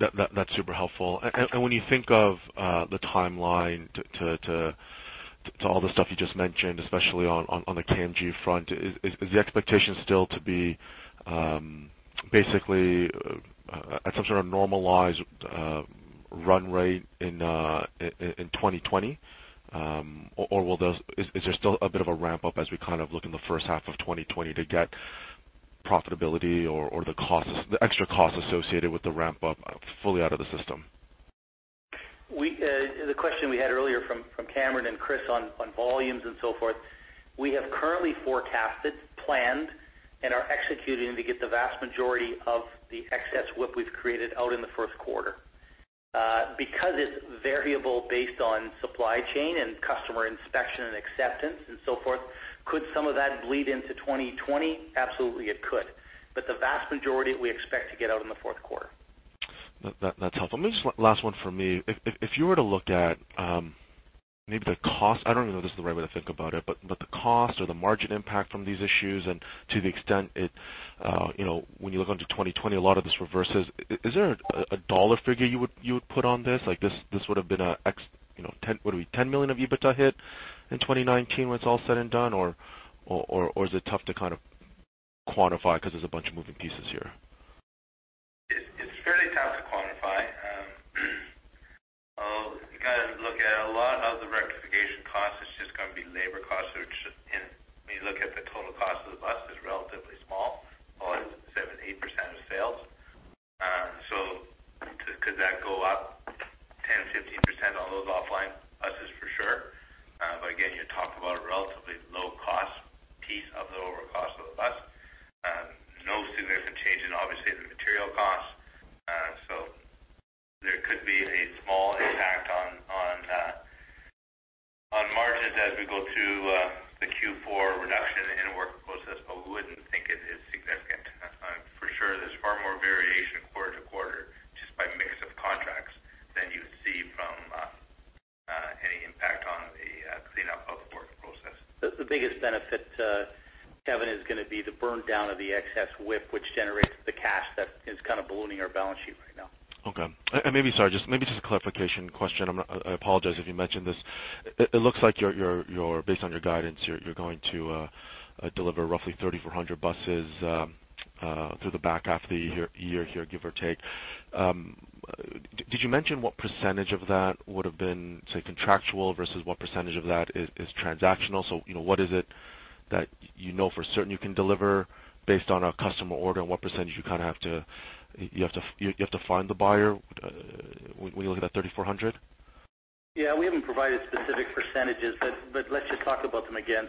That's super helpful. When you think of the timeline to all the stuff you just mentioned, especially on the KMG front, is the expectation still to be basically at some sort of normalized run rate in 2020? Or is there still a bit of a ramp-up as we look in the first half of 2020 to get profitability or the extra costs associated with the ramp-up fully out of the system? The question we had earlier from Cameron and Chris on volumes and so forth, we have currently forecasted, planned, and are executing to get the vast majority of the excess WIP we've created out in the first quarter. Because it's variable based on supply chain and customer inspection and acceptance and so forth, could some of that bleed into 2020? Absolutely it could. The vast majority we expect to get out in the fourth quarter. That's helpful. Maybe just last one from me. If you were to look at maybe the cost, I don't even know if this is the right way to think about it, but the cost or the margin impact from these issues, and to the extent it when you look onto 2020, a lot of this reverses, is there a dollar figure you would put on this? Like this would've been a X, what are we, $10 million of EBITDA hit in 2019 when it's all said and done? Is it tough to quantify because there's a bunch of moving pieces here? you have to find the buyer when you look at that 3,400? We haven't provided specific percentages, let's just talk about them again.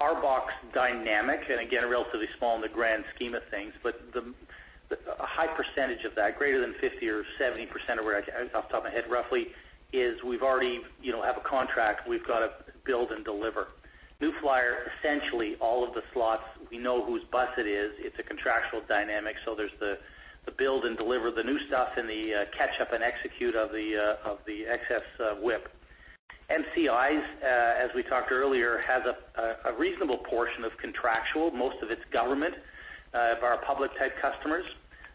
ARBOC's dynamic, and again, relatively small in the grand scheme of things, but a high percentage of that, greater than 50% or 70% or off the top of my head roughly, is we already have a contract we've got to build and deliver. New Flyer, essentially all of the slots we know whose bus it is. It's a contractual dynamic, there's the build and deliver the new stuff and the catch up and execute of the excess WIP. MCI, as we talked earlier, has a reasonable portion of contractual, most of it's government of our public type customers.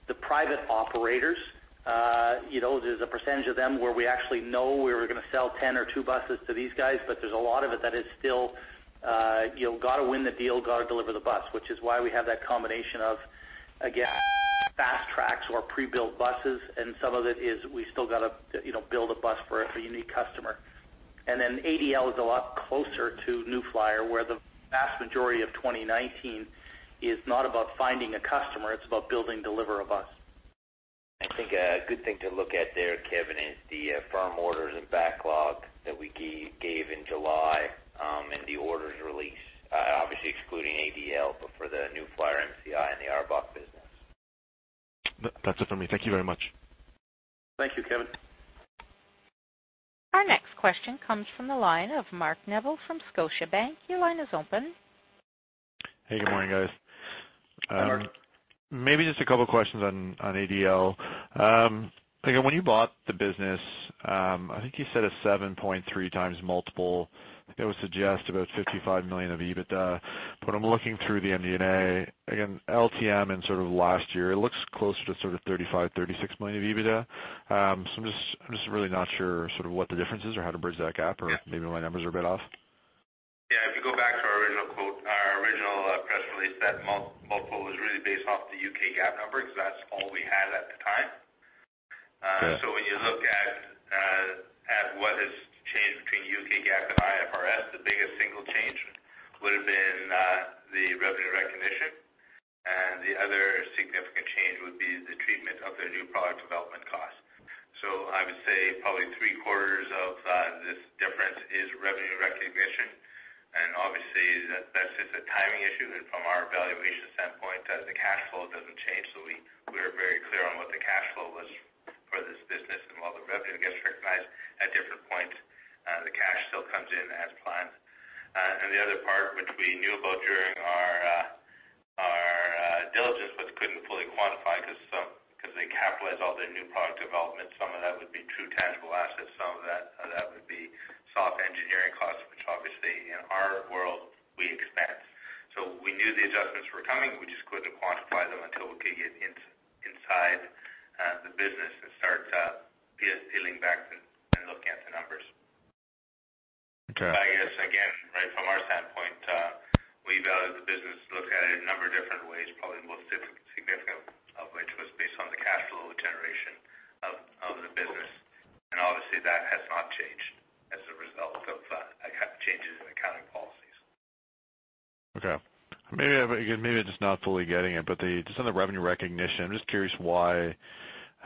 The private operators, there's a percentage of them where we actually know we were going to sell 10 or two buses to these guys, but there's a lot of it that is still got to win the deal, got to deliver the bus, which is why we have that combination of, again, fast tracks or pre-built buses, and some of it is we still got to build a bus for a unique customer. ADL is a lot closer to New Flyer where the vast majority of 2019 is not about finding a customer, it's about build and deliver a bus. I think a good thing to look at there, Kevin, is the firm orders and backlog that we gave in July, in the orders release, obviously excluding ADL, but for the New Flyer, MCI, and the ARBOC business. That's it for me. Thank you very much. Thank you, Kevin. Our next question comes from the line of Mark Nevel from Scotiabank. Your line is open. Hey, good morning, guys. Mark. Maybe just a couple questions on ADL. I think when you bought the business, I think you said a 7.3 times multiple. I think that would suggest about $55 million of EBITDA. I'm looking through the MD&A, again, LTM and sort of last year, it looks closer to sort of $35, $36 million of EBITDA. I'm just really not sure sort of what the difference is or how to bridge that gap or maybe my numbers are a bit off. We set multiple was really based off the U.K. GAAP number, because that's all we had at the time. Okay. When you look at what has changed between UK GAAP and IFRS, the biggest single change would have been the revenue recognition, and the other significant change would be the treatment of their new product development cost. I would say probably three-quarters of this difference is revenue recognition, and obviously that's just a timing issue. From our valuation standpoint, as the cash flow doesn't change, we were very clear on what the cash flow was for this business. While the revenue gets recognized at different points, the cash still comes in as planned. The other part, which we knew about during our diligence, but couldn't fully quantify because they capitalize all their new product development, some of that would be true tangible assets, some of that would be soft engineering costs, which obviously in our world we expense. We knew the adjustments were coming, we just couldn't quantify them until we could get inside the business and start peeling back and looking at the numbers. Okay. I guess, again, from our standpoint, we valued the business, looked at it a number of different ways. Probably the most significant of which was based on the cash flow generation of the business, and obviously that has not changed as a result of changes in accounting policies. Maybe I'm just not fully getting it, but just on the revenue recognition, I'm just curious why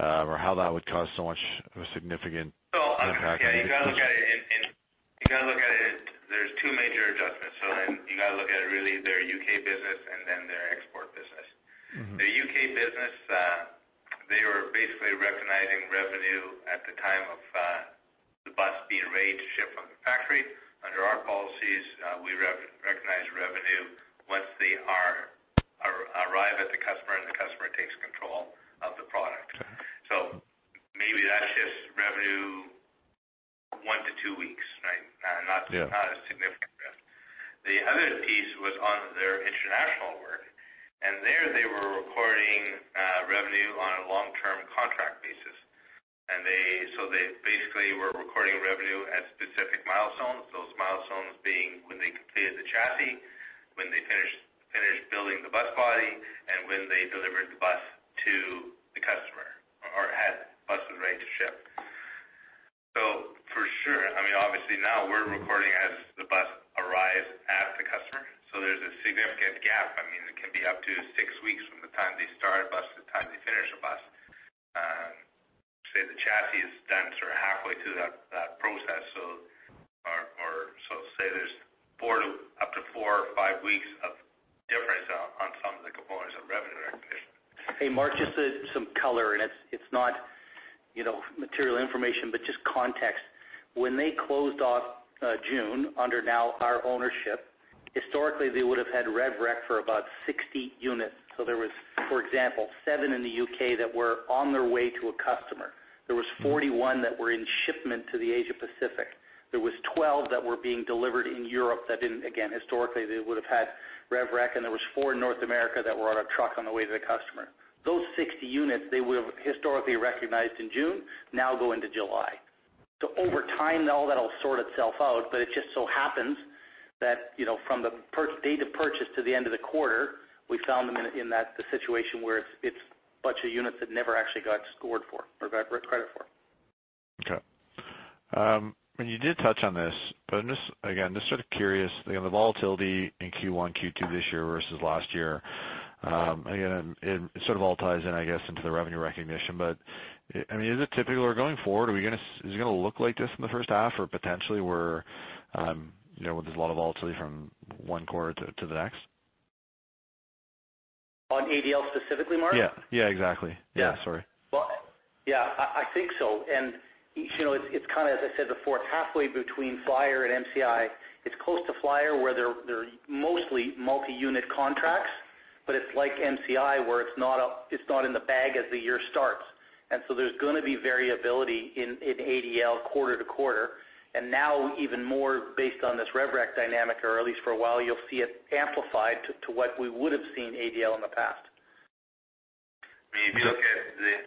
or how that would cause so much of a significant impact? You've got to look at it, way to the customer. Those 60 units, they would have historically recognized in June, now go into July. Over time, all that'll sort itself out, but it just so happens that from the date of purchase to the end of the quarter, we found them in that situation where it's a bunch of units that never actually got scored for or got credit for. Okay. You did touch on this, but again, just sort of curious, the volatility in Q1, Q2 this year versus last year. Again, it sort of all ties in, I guess, into the revenue recognition. Is it typical or going forward, is it going to look like this in the first half or potentially where there's a lot of volatility from one quarter to the next? On ADL specifically, Mark? Yeah, exactly. Yeah, sorry. Well, yeah, I think so. It's kind of, as I said before, it's halfway between Flyer and MCI. It's close to Flyer where they're mostly multi-unit contracts, but it's like MCI where it's not in the bag as the year starts. There's going to be variability in ADL quarter to quarter, and now even more based on this rev rec dynamic, or at least for a while you'll see it amplified to what we would have seen ADL in the past. If you look at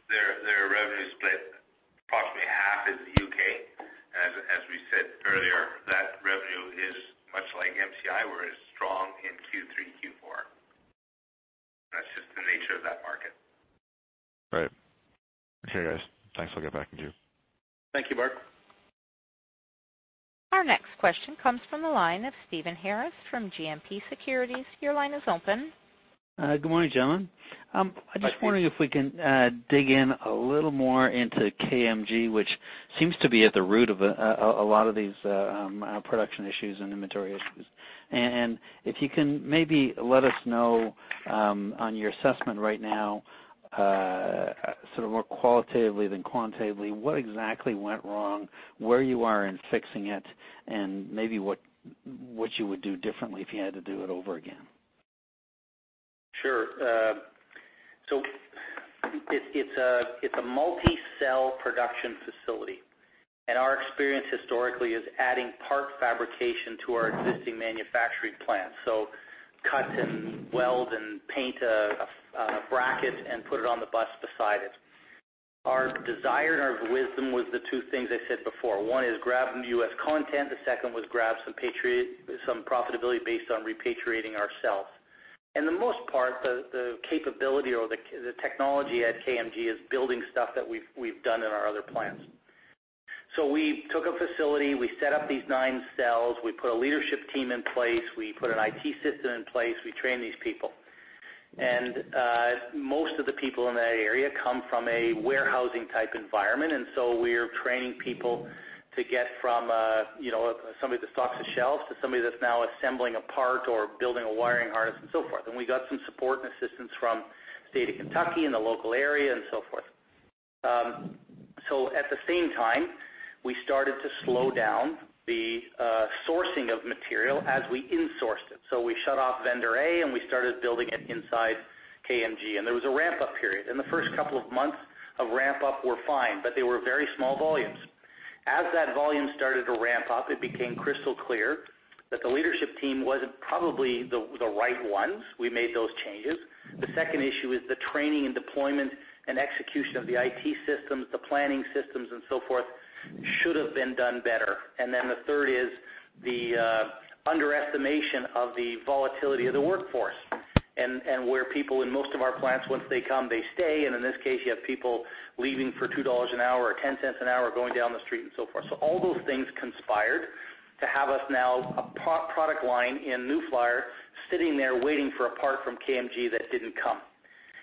their revenue split, approximately half is the U.K. As we said earlier, that revenue is much like MCI, where it's strong in Q3, Q4. That's just the nature of that market. Right. Okay, guys. Thanks. I'll get back in queue. Thank you, Mark. Our next question comes from the line of Stephen Harris from GMP Securities. Your line is open. Good morning, gentlemen. Hi, Steve. I'm just wondering if we can dig in a little more into KMG, which seems to be at the root of a lot of these production issues and inventory issues. If you can maybe let us know, on your assessment right now, sort of more qualitatively than quantitatively, what exactly went wrong, where you are in fixing it, and maybe what you would do differently if you had to do it over again. Sure. It's a multi-cell production facility, and our experience historically is adding part fabrication to our existing manufacturing plant. Cut and weld and paint a bracket and put it on the bus beside it. Our desire and our wisdom was the two things I said before. One is grab U.S. content, the second was grab some profitability based on repatriating ourself. In the most part, the capability or the technology at KMG is building stuff that we've done in our other plants. We took a facility, we set up these nine cells, we put a leadership team in place, we put an IT system in place, we train these people. Most of the people in that area come from a warehousing type environment, we're training people to get from somebody that stocks a shelf to somebody that's now assembling a part or building a wiring harness and so forth. We got some support and assistance from the state of Kentucky and the local area and so forth. At the same time, we started to slow down the sourcing of material as we in-sourced it. We shut off vendor A, we started building it inside KMG, and there was a ramp-up period, and the first couple of months of ramp-up were fine, but they were very small volumes. As that volume started to ramp up, it became crystal clear that the leadership team wasn't probably the right ones. We made those changes. The second issue is the training and deployment and execution of the IT systems, the planning systems, and so forth should've been done better. The third is the underestimation of the volatility of the workforce and where people in most of our plants, once they come, they stay, and in this case, you have people leaving for 2 dollars an hour or 0.10 an hour, going down the street and so forth. All those things conspired to have us now, a product line in New Flyer, sitting there waiting for a part from KMG that didn't come.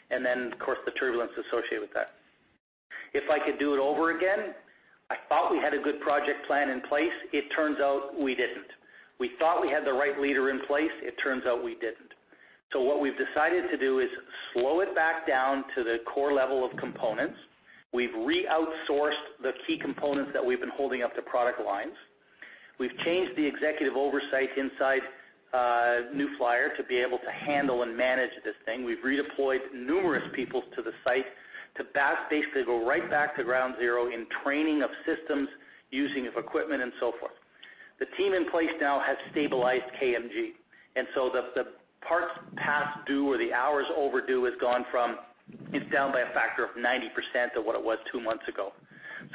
Of course, the turbulence associated with that. If I could do it over again, I thought we had a good project plan in place. It turns out we didn't. We thought we had the right leader in place. It turns out we didn't. What we've decided to do is slow it back down to the core level of components. We've re-outsourced the key components that we've been holding up to product lines. We've changed the executive oversight inside New Flyer to be able to handle and manage this thing. We've redeployed numerous people to the site to basically go right back to ground zero in training of systems, using of equipment, and so forth. The team in place now has stabilized KMG, the parts past due or the hours overdue is down by a factor of 90% of what it was two months ago.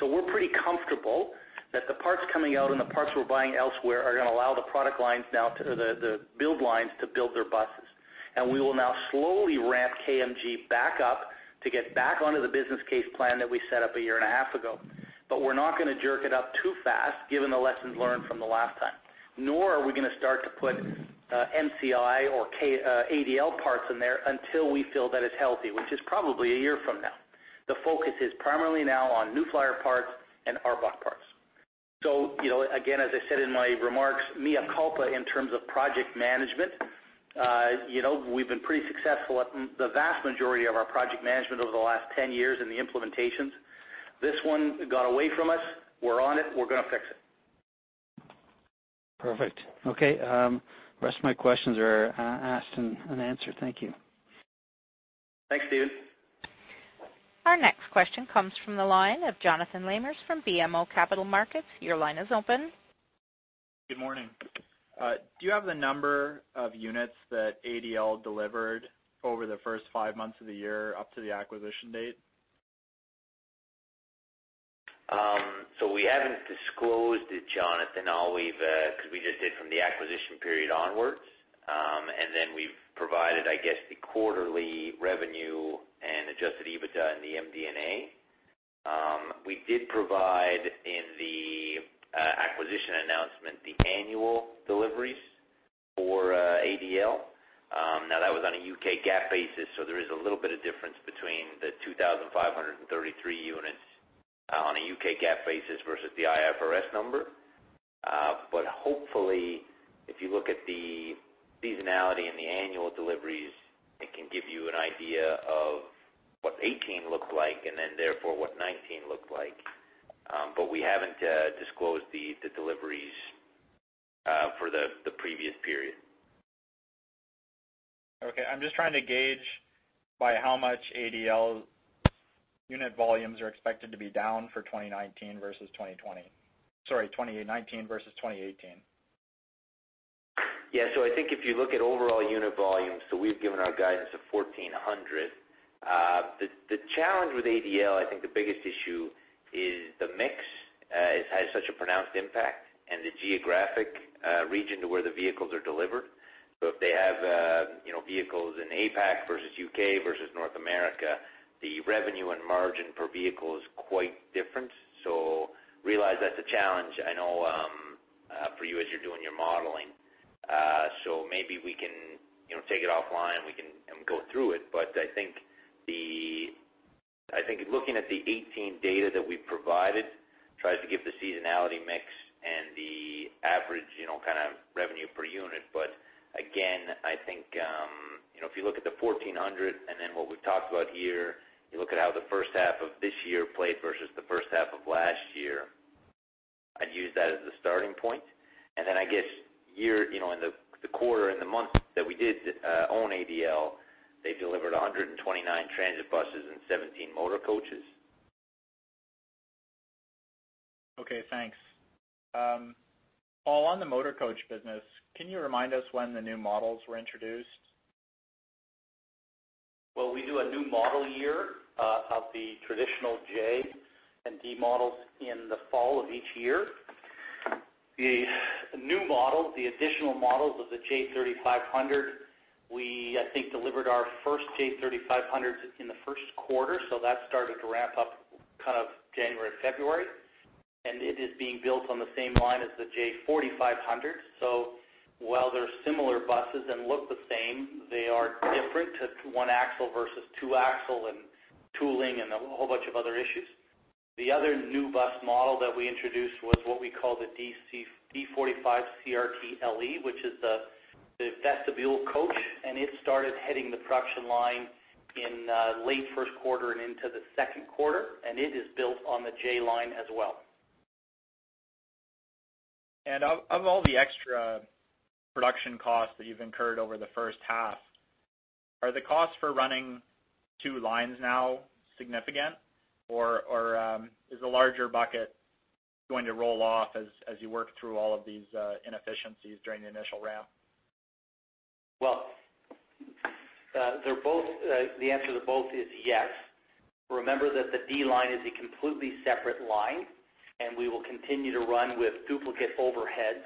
We're pretty comfortable that the parts coming out and the parts we're buying elsewhere are going to allow the build lines to build their buses. We will now slowly ramp KMG back up to get back onto the business case plan that we set up a year and a half ago. We're not going to jerk it up too fast, given the lessons learned from the last time, nor are we going to start to put MCI or ADL parts in there until we feel that it's healthy, which is probably a year from now. The focus is primarily now on New Flyer parts and ARBOC parts. Again, as I said in my remarks, mea culpa in terms of project management. We've been pretty successful at the vast majority of our project management over the last 10 years in the implementations. This one got away from us. We're on it. We're going to fix it. Perfect. Okay. Rest of my questions are asked and answered. Thank you. Thanks, Stephen. Our next question comes from the line of Jonathan Lamers from BMO Capital Markets. Your line is open. Good morning. Do you have the number of units that ADL delivered over the first five months of the year up to the acquisition date? We haven't disclosed it, Jonathan, because we just did from the acquisition period onwards. Then we've provided, I guess, the quarterly revenue and adjusted EBITDA in the MD&A. We did provide in the acquisition announcement the annual deliveries for ADL. That was on a UK GAAP basis, so there is a little bit of difference between the 2,533 units on a UK GAAP basis versus the IFRS number. Hopefully, if you look at the seasonality and the annual deliveries, it can give you an idea of what 2018 looked like, therefore, what 2019 looked like. We haven't disclosed the deliveries for the previous period. Okay, I'm just trying to gauge by how much ADL unit volumes are expected to be down for 2019 versus 2020. Sorry, 2019 versus 2018. Yeah, I think if you look at overall unit volumes, we've given our guidance of 1,400. The challenge with ADL, I think the biggest issue is the mix. It has such a pronounced impact and the geographic region to where the vehicles are delivered. If they have vehicles in APAC versus U.K. versus North America, the revenue and margin per vehicle is quite different. Realize that's a challenge I know for you as you're doing your modeling. Maybe we can take it offline, we can go through it. I think looking at the 2018 data that we provided tries to give the seasonality mix and the average revenue per unit. Again, I think, if you look at the 1,400 and then what we've talked about here, you look at how the first half of this year played versus the first half of last year, I'd use that as the starting point. Then I guess in the quarter and the month that we did own ADL, they delivered 129 transit buses and 17 motor coaches. Okay, thanks. Paul, on the motor coach business, can you remind us when the new models were introduced? Well, we do a new model year of the traditional J and D models in the fall of each year. The new models, the additional models of the J3500, we, I think, delivered our first J3500s in the first quarter, so that started to ramp up January, February. It is being built on the same line as the J4500, so while they're similar buses and look the same, they are different. One axle versus two axle, and tooling, and a whole bunch of other issues. The other new bus model that we introduced was what we call the D45 CRT LE, which is the vestibule coach, and it started hitting the production line in late first quarter and into the second quarter, and it is built on the J line as well. Of all the extra production costs that you've incurred over the first half, are the costs for running two lines now significant, or is the larger bucket going to roll off as you work through all of these inefficiencies during the initial ramp? The answer to both is yes. Remember that the D line is a completely separate line, and we will continue to run with duplicate overheads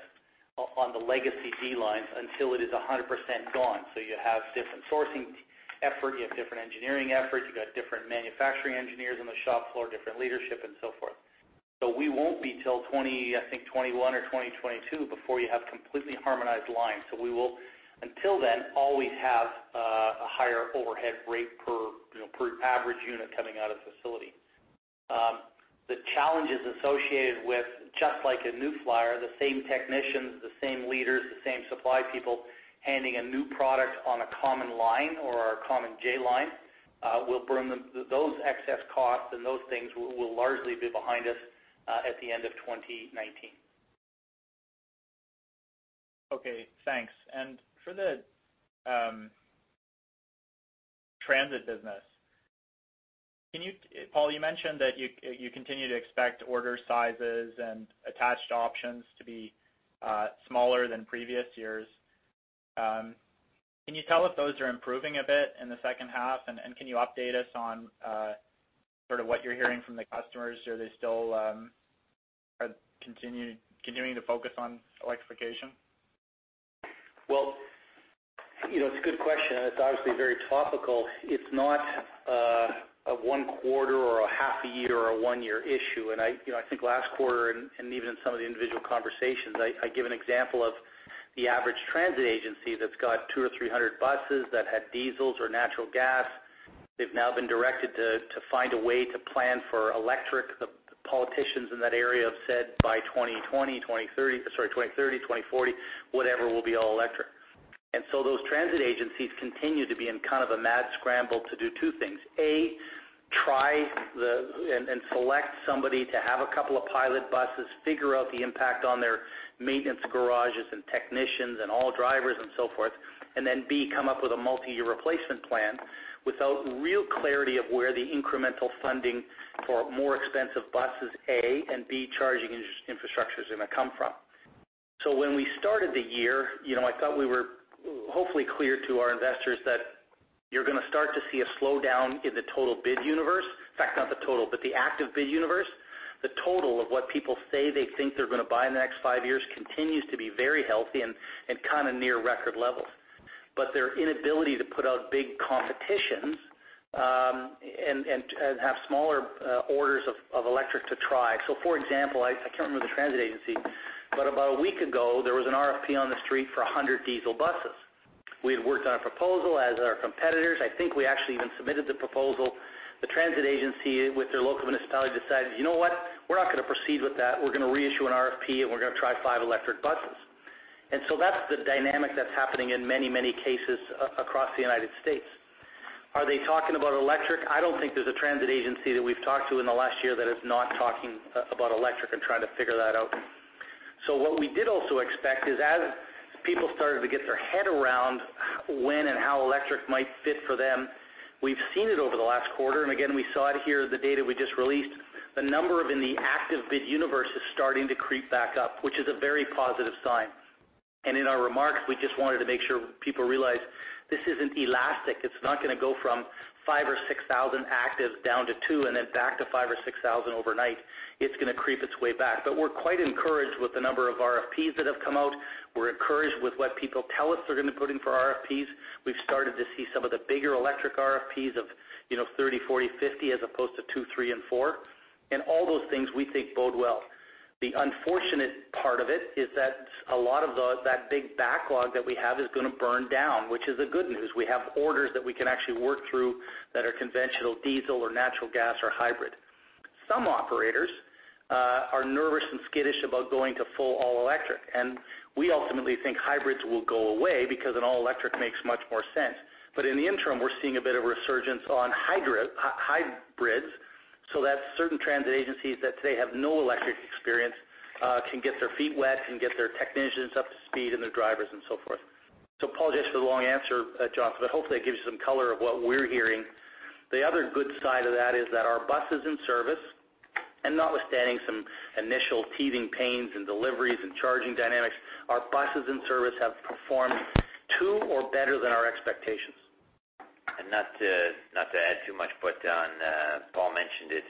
on the legacy D lines until it is 100% gone. You have different sourcing effort, you have different engineering efforts, you've got different manufacturing engineers on the shop floor, different leadership, and so forth. We won't be till, I think, 2021 or 2022 before you have completely harmonized lines. We will, until then, always have a higher overhead rate per average unit coming out of the facility. The challenges associated with, just like a New Flyer, the same technicians, the same leaders, the same supply people handling a new product on a common line or our common J line will burn those excess costs, and those things will largely be behind us at the end of 2019. Okay, thanks. For the transit business, Paul, you mentioned that you continue to expect order sizes and attached options to be smaller than previous years. Can you tell if those are improving a bit in the second half, and can you update us on what you're hearing from the customers? Are they still continuing to focus on electrification? Well, it's a good question, and it's obviously very topical. It's not a one quarter or a half a year or a one-year issue. I think last quarter, and even in some of the individual conversations, I give an example of the average transit agency that's got 200 or 300 buses that had diesels or natural gas. They've now been directed to find a way to plan for electric. The politicians in that area have said by 2030, 2040, whatever, we'll be all electric. Those transit agencies continue to be in a mad scramble to do two things. A, try and select somebody to have a couple of pilot buses, figure out the impact on their maintenance garages and technicians and all drivers and so forth. B, come up with a multi-year replacement plan without real clarity of where the incremental funding for more expensive buses, A. And B, charging infrastructure is going to come from. When we started the year, I thought we were hopefully clear to our investors that you're going to start to see a slowdown in the total bid universe. In fact, not the total, but the active bid universe. The total of what people say they think they're going to buy in the next five years continues to be very healthy and near record levels. Their inability to put out big competitions, and have smaller orders of electric to try. For example, I can't remember the transit agency, but about a week ago, there was an RFP on the street for 100 diesel buses. We had worked on a proposal, as had our competitors. I think we actually even submitted the proposal. The transit agency, with their local municipality, decided, "You know what? We're not going to proceed with that. We're going to reissue an RFP, and we're going to try five electric buses." That's the dynamic that's happening in many, many cases across the U.S. Are they talking about electric? I don't think there's a transit agency that we've talked to in the last year that is not talking about electric and trying to figure that out. What we did also expect is as people started to get their head around when and how electric might fit for them, we've seen it over the last quarter, and again, we saw it here in the data we just released. The number in the active bid universe is starting to creep back up, which is a very positive sign. In our remarks, we just wanted to make sure people realize this isn't elastic. It's not going to go from 5,000 or 6,000 actives down to 2 and then back to 5,000 or 6,000 overnight. It's going to creep its way back. We're quite encouraged with the number of RFPs that have come out. We're encouraged with what people tell us they're going to put in for RFPs. We've started to see some of the bigger electric RFPs of 30, 40, 50 as opposed to 2, 3, and 4. All those things we think bode well. The unfortunate part of it is that a lot of that big backlog that we have is going to burn down, which is the good news. We have orders that we can actually work through that are conventional diesel or natural gas or hybrid. Some operators are nervous and skittish about going to full all-electric, and we ultimately think hybrids will go away because an all-electric makes much more sense. In the interim, we're seeing a bit of resurgence on hybrids. That certain transit agencies that today have no electric experience can get their feet wet, can get their technicians up to speed and their drivers and so forth. Apologize for the long answer, Jonathan, but hopefully that gives you some color of what we're hearing. The other good side of that is that our buses in service, and notwithstanding some initial teething pains in deliveries and charging dynamics, our buses in service have performed to or better than our expectations. Not to add too much, but Paul mentioned it.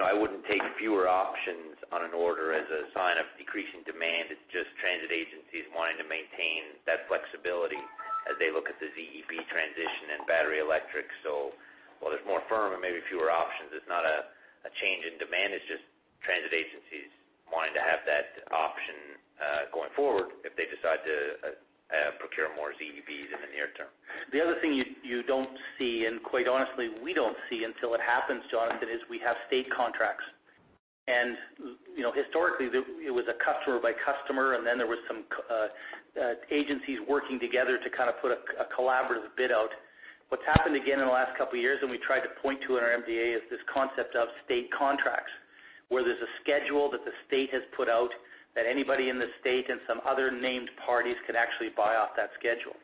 I wouldn't take fewer options on an order as a sign of decreasing demand. It's just transit agencies wanting to maintain that flexibility as they look at the ZEB transition and battery electric. While there's more firm and maybe fewer options, it's not a change in demand, it's just transit agencies wanting to have that option going forward if they decide to procure more ZEBs in the near term. The other thing you don't see, and quite honestly, we don't see until it happens, Jonathan, is we have state contracts. Historically, it was a customer by customer, and then there was some agencies working together to put a collaborative bid out. What's happened again in the last couple of years, and we tried to point to in our MD&A, is this concept of state contracts, where there's a schedule that the state has put out that anybody in the state and some other named parties can actually buy off that schedule.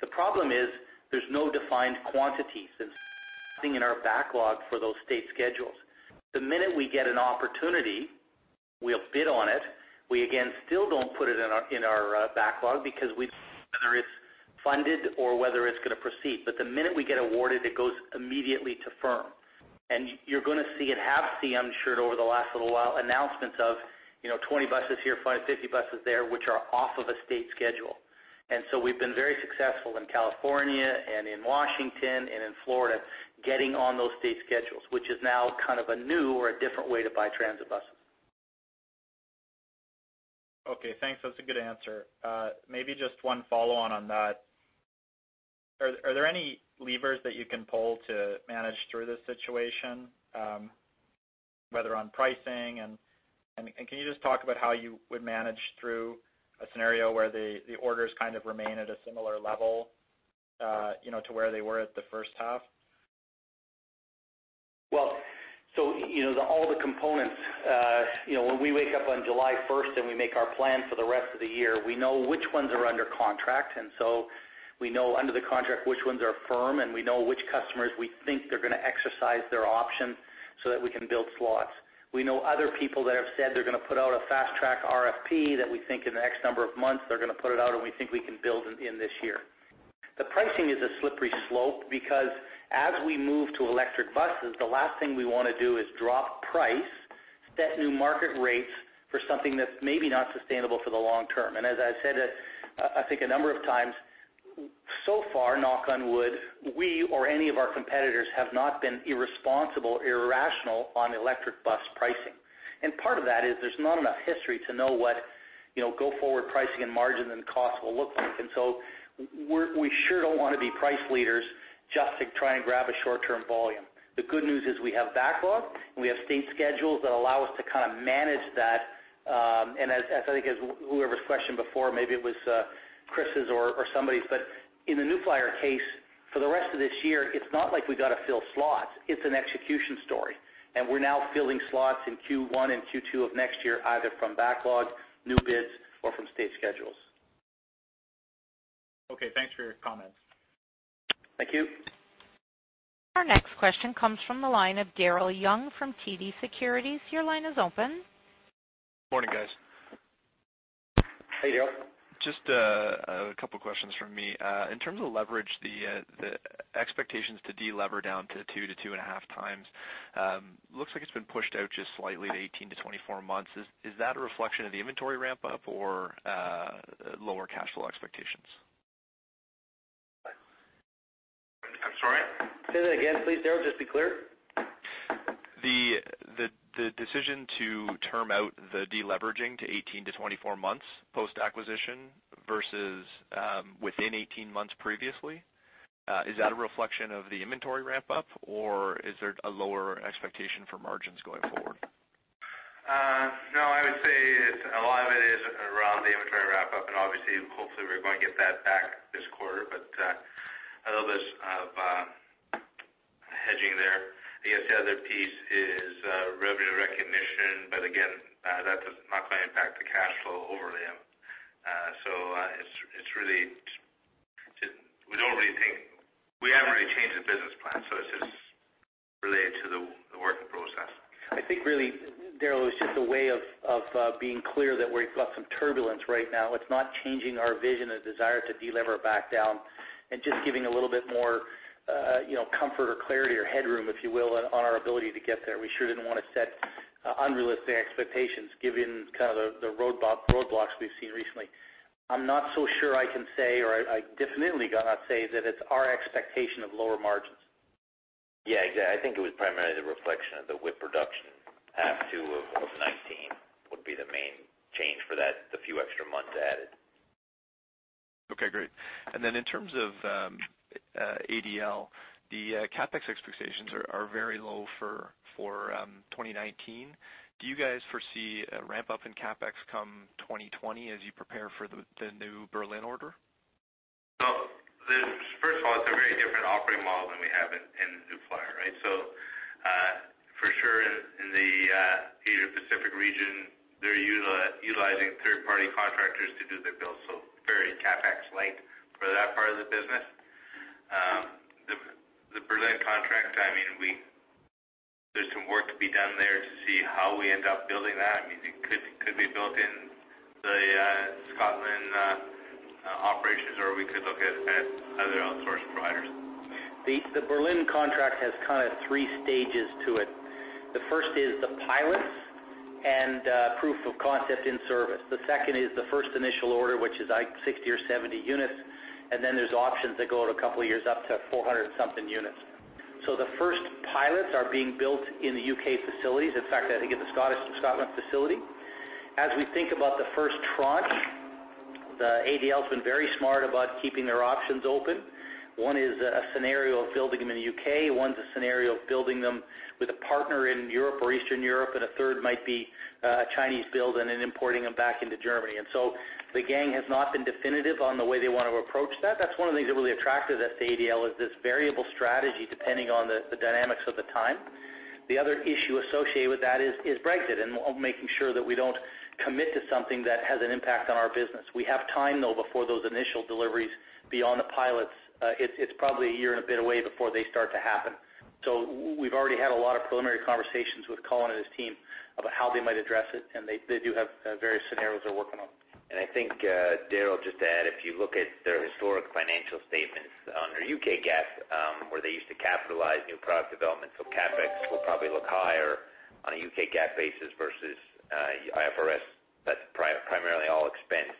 The problem is there's no defined quantities. There's nothing in our backlog for those state schedules. The minute we get an opportunity, we'll bid on it. We, again, still don't put it in our backlog because we don't know whether it's funded or whether it's going to proceed. The minute we get awarded, it goes immediately to firm, and you're going to see, and have seen, I'm sure, over the last little while, announcements of 20 buses here, 50 buses there, which are off of a state schedule. We've been very successful in California and in Washington and in Florida, getting on those state schedules, which is now a new or a different way to buy transit buses. Okay, thanks. That's a good answer. Maybe just one follow-on on that. Are there any levers that you can pull to manage through this situation, whether on pricing and can you just talk about how you would manage through a scenario where the orders remain at a similar level to where they were at the first half? Well, all the components, when we wake up on July 1st and we make our plan for the rest of the year, we know which ones are under contract, we know under the contract which ones are firm, we know which customers we think they're going to exercise their option so that we can build slots. We know other people that have said they're going to put out a fast track RFP that we think in the next number of months they're going to put it out, we think we can build in this year. The pricing is a slippery slope because as we move to electric buses, the last thing we want to do is drop price, set new market rates for something that's maybe not sustainable for the long term. As I've said, I think a number of times, so far, knock on wood, we or any of our competitors have not been irresponsible, irrational on electric bus pricing. Part of that is there's not enough history to know what go forward pricing and margin and cost will look like. We sure don't want to be price leaders just to try and grab a short-term volume. The good news is we have backlog and we have state schedules that allow us to manage that, and I think as whoever's question before, maybe it was Chris' or somebody's, but in the New Flyer case, for the rest of this year, it's not like we got to fill slots. It's an execution story. We're now filling slots in Q1 and Q2 of next year, either from backlogs, new bids, or from state schedules. Okay, thanks for your comments. Thank you. Our next question comes from the line of Daryl Young from TD Securities. Your line is open. Morning, guys. Hey, Daryl. Just a couple of questions from me. In terms of leverage, the expectations to de-lever down to 2 to 2.5 times, looks like it's been pushed out just slightly to 18-24 months. Is that a reflection of the inventory ramp up or lower cash flow expectations? I'm sorry? Say that again, please, Daryl, just to be clear. The decision to term out the de-leveraging to 18 to 24 months post-acquisition versus within 18 months previously, is that a reflection of the inventory ramp up or is there a lower expectation for margins going forward? I would say a lot of it is around the inventory ramp up and obviously, hopefully, we're going to get that back this quarter. A little bit of hedging there. I guess the other piece is revenue recognition, but again, that does not quite impact the cash flow overly. We haven't really changed the business plan, so it's just related to the work in process. I think really, Daryl, it's just a way of being clear that we've got some turbulence right now. It's not changing our vision, a desire to de-lever back down and just giving a little bit more comfort or clarity or headroom, if you will, on our ability to get there. We sure didn't want to set unrealistic expectations given the roadblocks we've seen recently. I'm not so sure I can say, or I definitely cannot say that it's our expectation of lower margins. Yeah, exactly. I think it was primarily the reflection of the WIP reduction half two of 2019 would be the main change for that, the few extra months added. Okay, great. In terms of ADL, the CapEx expectations are very low for 2019. Do you guys foresee a ramp up in CapEx come 2020 as you prepare for the new Berlin order? First of all, it's a very different operating model than we have in New Flyer, right? In the Asia Pacific region, they're utilizing third-party contractors to do their build. Very CapEx-light for that part of the business. The Berlin contract, there's some work to be done there to see how we end up building that. It could be built in the Scotland operations, or we could look at other outsource providers. The Berlin contract has kind of 3 stages to it. The first is the pilots and proof of concept in service. The second is the first initial order, which is like 60 or 70 units. Then there's options that go out a couple of years up to 400 something units. The first pilots are being built in the U.K. facilities. In fact, I think it's the Scotland facility. As we think about the first tranche, the ADL's been very smart about keeping their options open. One is a scenario of building them in the U.K., one's a scenario of building them with a partner in Europe or Eastern Europe, and a third might be a Chinese build and then importing them back into Germany. So the gang has not been definitive on the way they want to approach that. That's one of the things that really attracted us to ADL, is this variable strategy, depending on the dynamics of the time. The other issue associated with that is Brexit, and making sure that we don't commit to something that has an impact on our business. We have time, though, before those initial deliveries beyond the pilots. It's probably a year and a bit away before they start to happen. We've already had a lot of preliminary conversations with Colin and his team about how they might address it, and they do have various scenarios they're working on. I think, Daryl, just to add, if you look at their historic financial statements under UK GAAP, where they used to capitalize new product development, so CapEx will probably look higher on a UK GAAP basis versus IFRS. That's primarily all expense.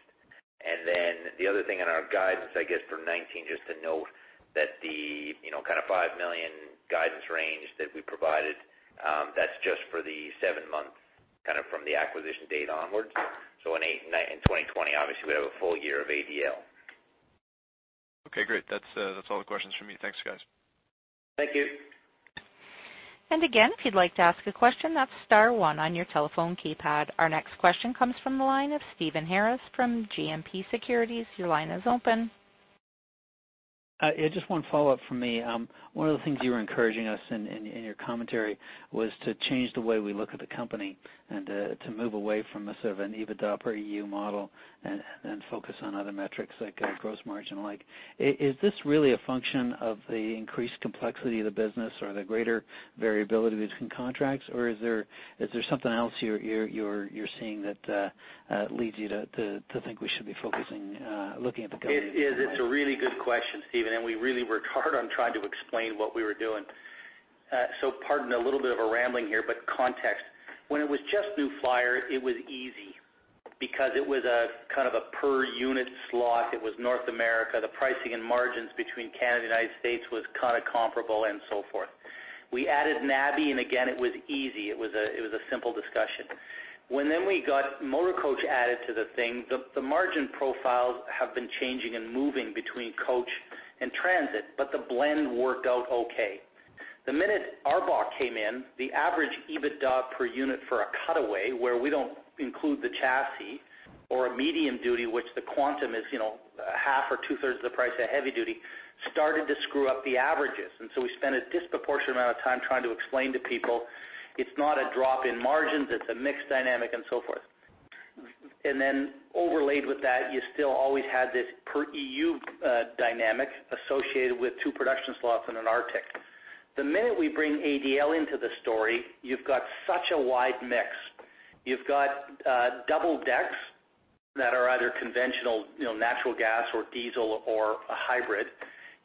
Then the other thing in our guidance, I guess, for 2019, just to note that the kind of $5 million guidance range that we provided, that's just for the seven months from the acquisition date onwards. In 2020, obviously, we have a full year of ADL. Okay, great. That's all the questions from me. Thanks, guys. Thank you. Again, if you'd like to ask a question, that's star one on your telephone keypad. Our next question comes from the line of Stephen Harris from GMP Securities. Your line is open. Just one follow-up from me. One of the things you were encouraging us in your commentary was to change the way we look at the company and to move away from a sort of an EBITDA per EU model and focus on other metrics like gross margin. Is this really a function of the increased complexity of the business or the greater variability between contracts? Or is there something else you're seeing that leads you to think we should be focusing, looking at the company differently? It is. It's a really good question, Stephen. We really worked hard on trying to explain what we were doing. Pardon a little bit of a rambling here, context. When it was just New Flyer, it was easy because it was a kind of a per unit slot. It was North America. The pricing and margins between Canada and the U.S. was kind of comparable and so forth. We added NAVI. Again, it was easy. It was a simple discussion. We got Motor Coach added to the thing, the margin profiles have been changing and moving between coach and transit, the blend worked out okay. The minute ARBOC came in, the average EBITDA per unit for a cutaway, where we don't include the chassis, or a medium duty, which the quantum is half or two-thirds of the price of heavy duty, started to screw up the averages. We spent a disproportionate amount of time trying to explain to people it's not a drop in margins, it's a mix dynamic and so forth. Overlaid with that, you still always had this per EU dynamic associated with two production slots and an ADL. The minute we bring ADL into the story, you've got such a wide mix. You've got double-decks that are either conventional natural gas or diesel or a hybrid.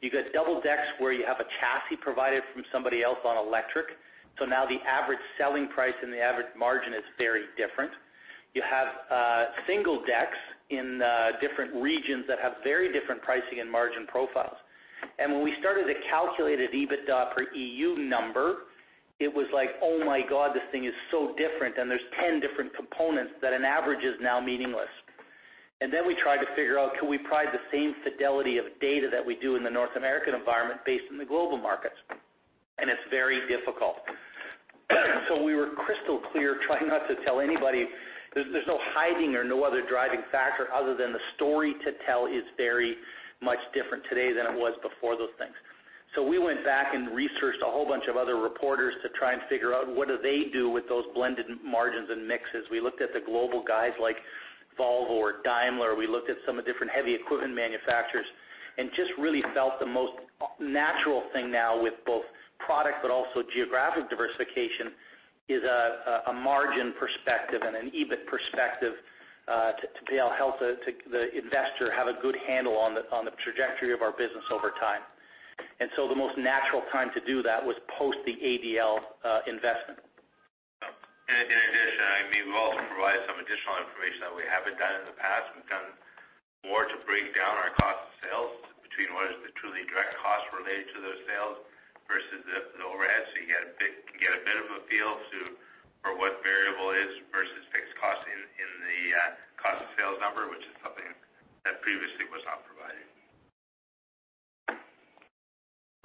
You got double-decks where you have a chassis provided from somebody else on electric. Now the average selling price and the average margin is very different. You have single decks in different regions that have very different pricing and margin profiles. When we started a calculated EBITDA per EU number, it was like, "Oh my God, this thing is so different," there's 10 different components that an average is now meaningless. Then we tried to figure out, could we provide the same fidelity of data that we do in the North American environment based in the global markets? It's very difficult. We were crystal clear trying not to tell anybody there's no hiding or no other driving factor other than the story to tell is very much different today than it was before those things. We went back and researched a whole bunch of other reporters to try and figure out what do they do with those blended margins and mixes. We looked at the global guys like Volvo or Daimler. We looked at some of different heavy equipment manufacturers and just really felt the most natural thing now with both product but also geographic diversification is a margin perspective and an EBIT perspective to be able to help the investor have a good handle on the trajectory of our business over time. The most natural time to do that was post the ADL investment. In addition, we've also provided some additional information that we haven't done in the past. We've done more to break down our cost of sales between what is the truly direct cost related to those sales versus the overhead. You can get a bit of a feel for what variable is versus fixed cost in the cost of sales number, which is something that previously was not provided.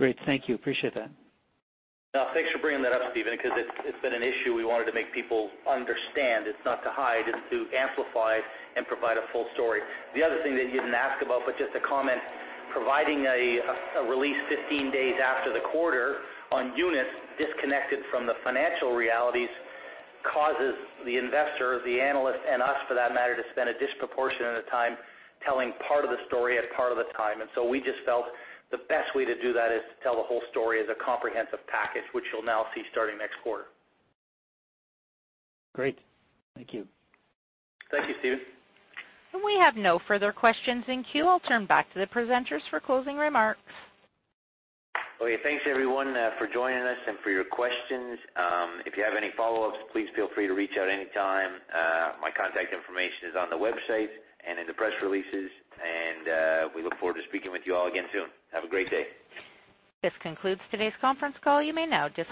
Great. Thank you. Appreciate that. Thanks for bringing that up, Stephen, because it's been an issue we wanted to make people understand. It's not to hide, it's to amplify and provide a full story. The other thing that you didn't ask about, but just a comment, providing a release 15 days after the quarter on units disconnected from the financial realities causes the investor, the analyst, and us, for that matter, to spend a disproportionate amount of time telling part of the story at part of the time. We just felt the best way to do that is to tell the whole story as a comprehensive package, which you'll now see starting next quarter. Great. Thank you. Thank you, Stephen. We have no further questions in queue. I'll turn back to the presenters for closing remarks. Okay. Thanks everyone for joining us and for your questions. If you have any follow-ups, please feel free to reach out anytime. My contact information is on the website and in the press releases, and we look forward to speaking with you all again soon. Have a great day. This concludes today's conference call. You may now disconnect.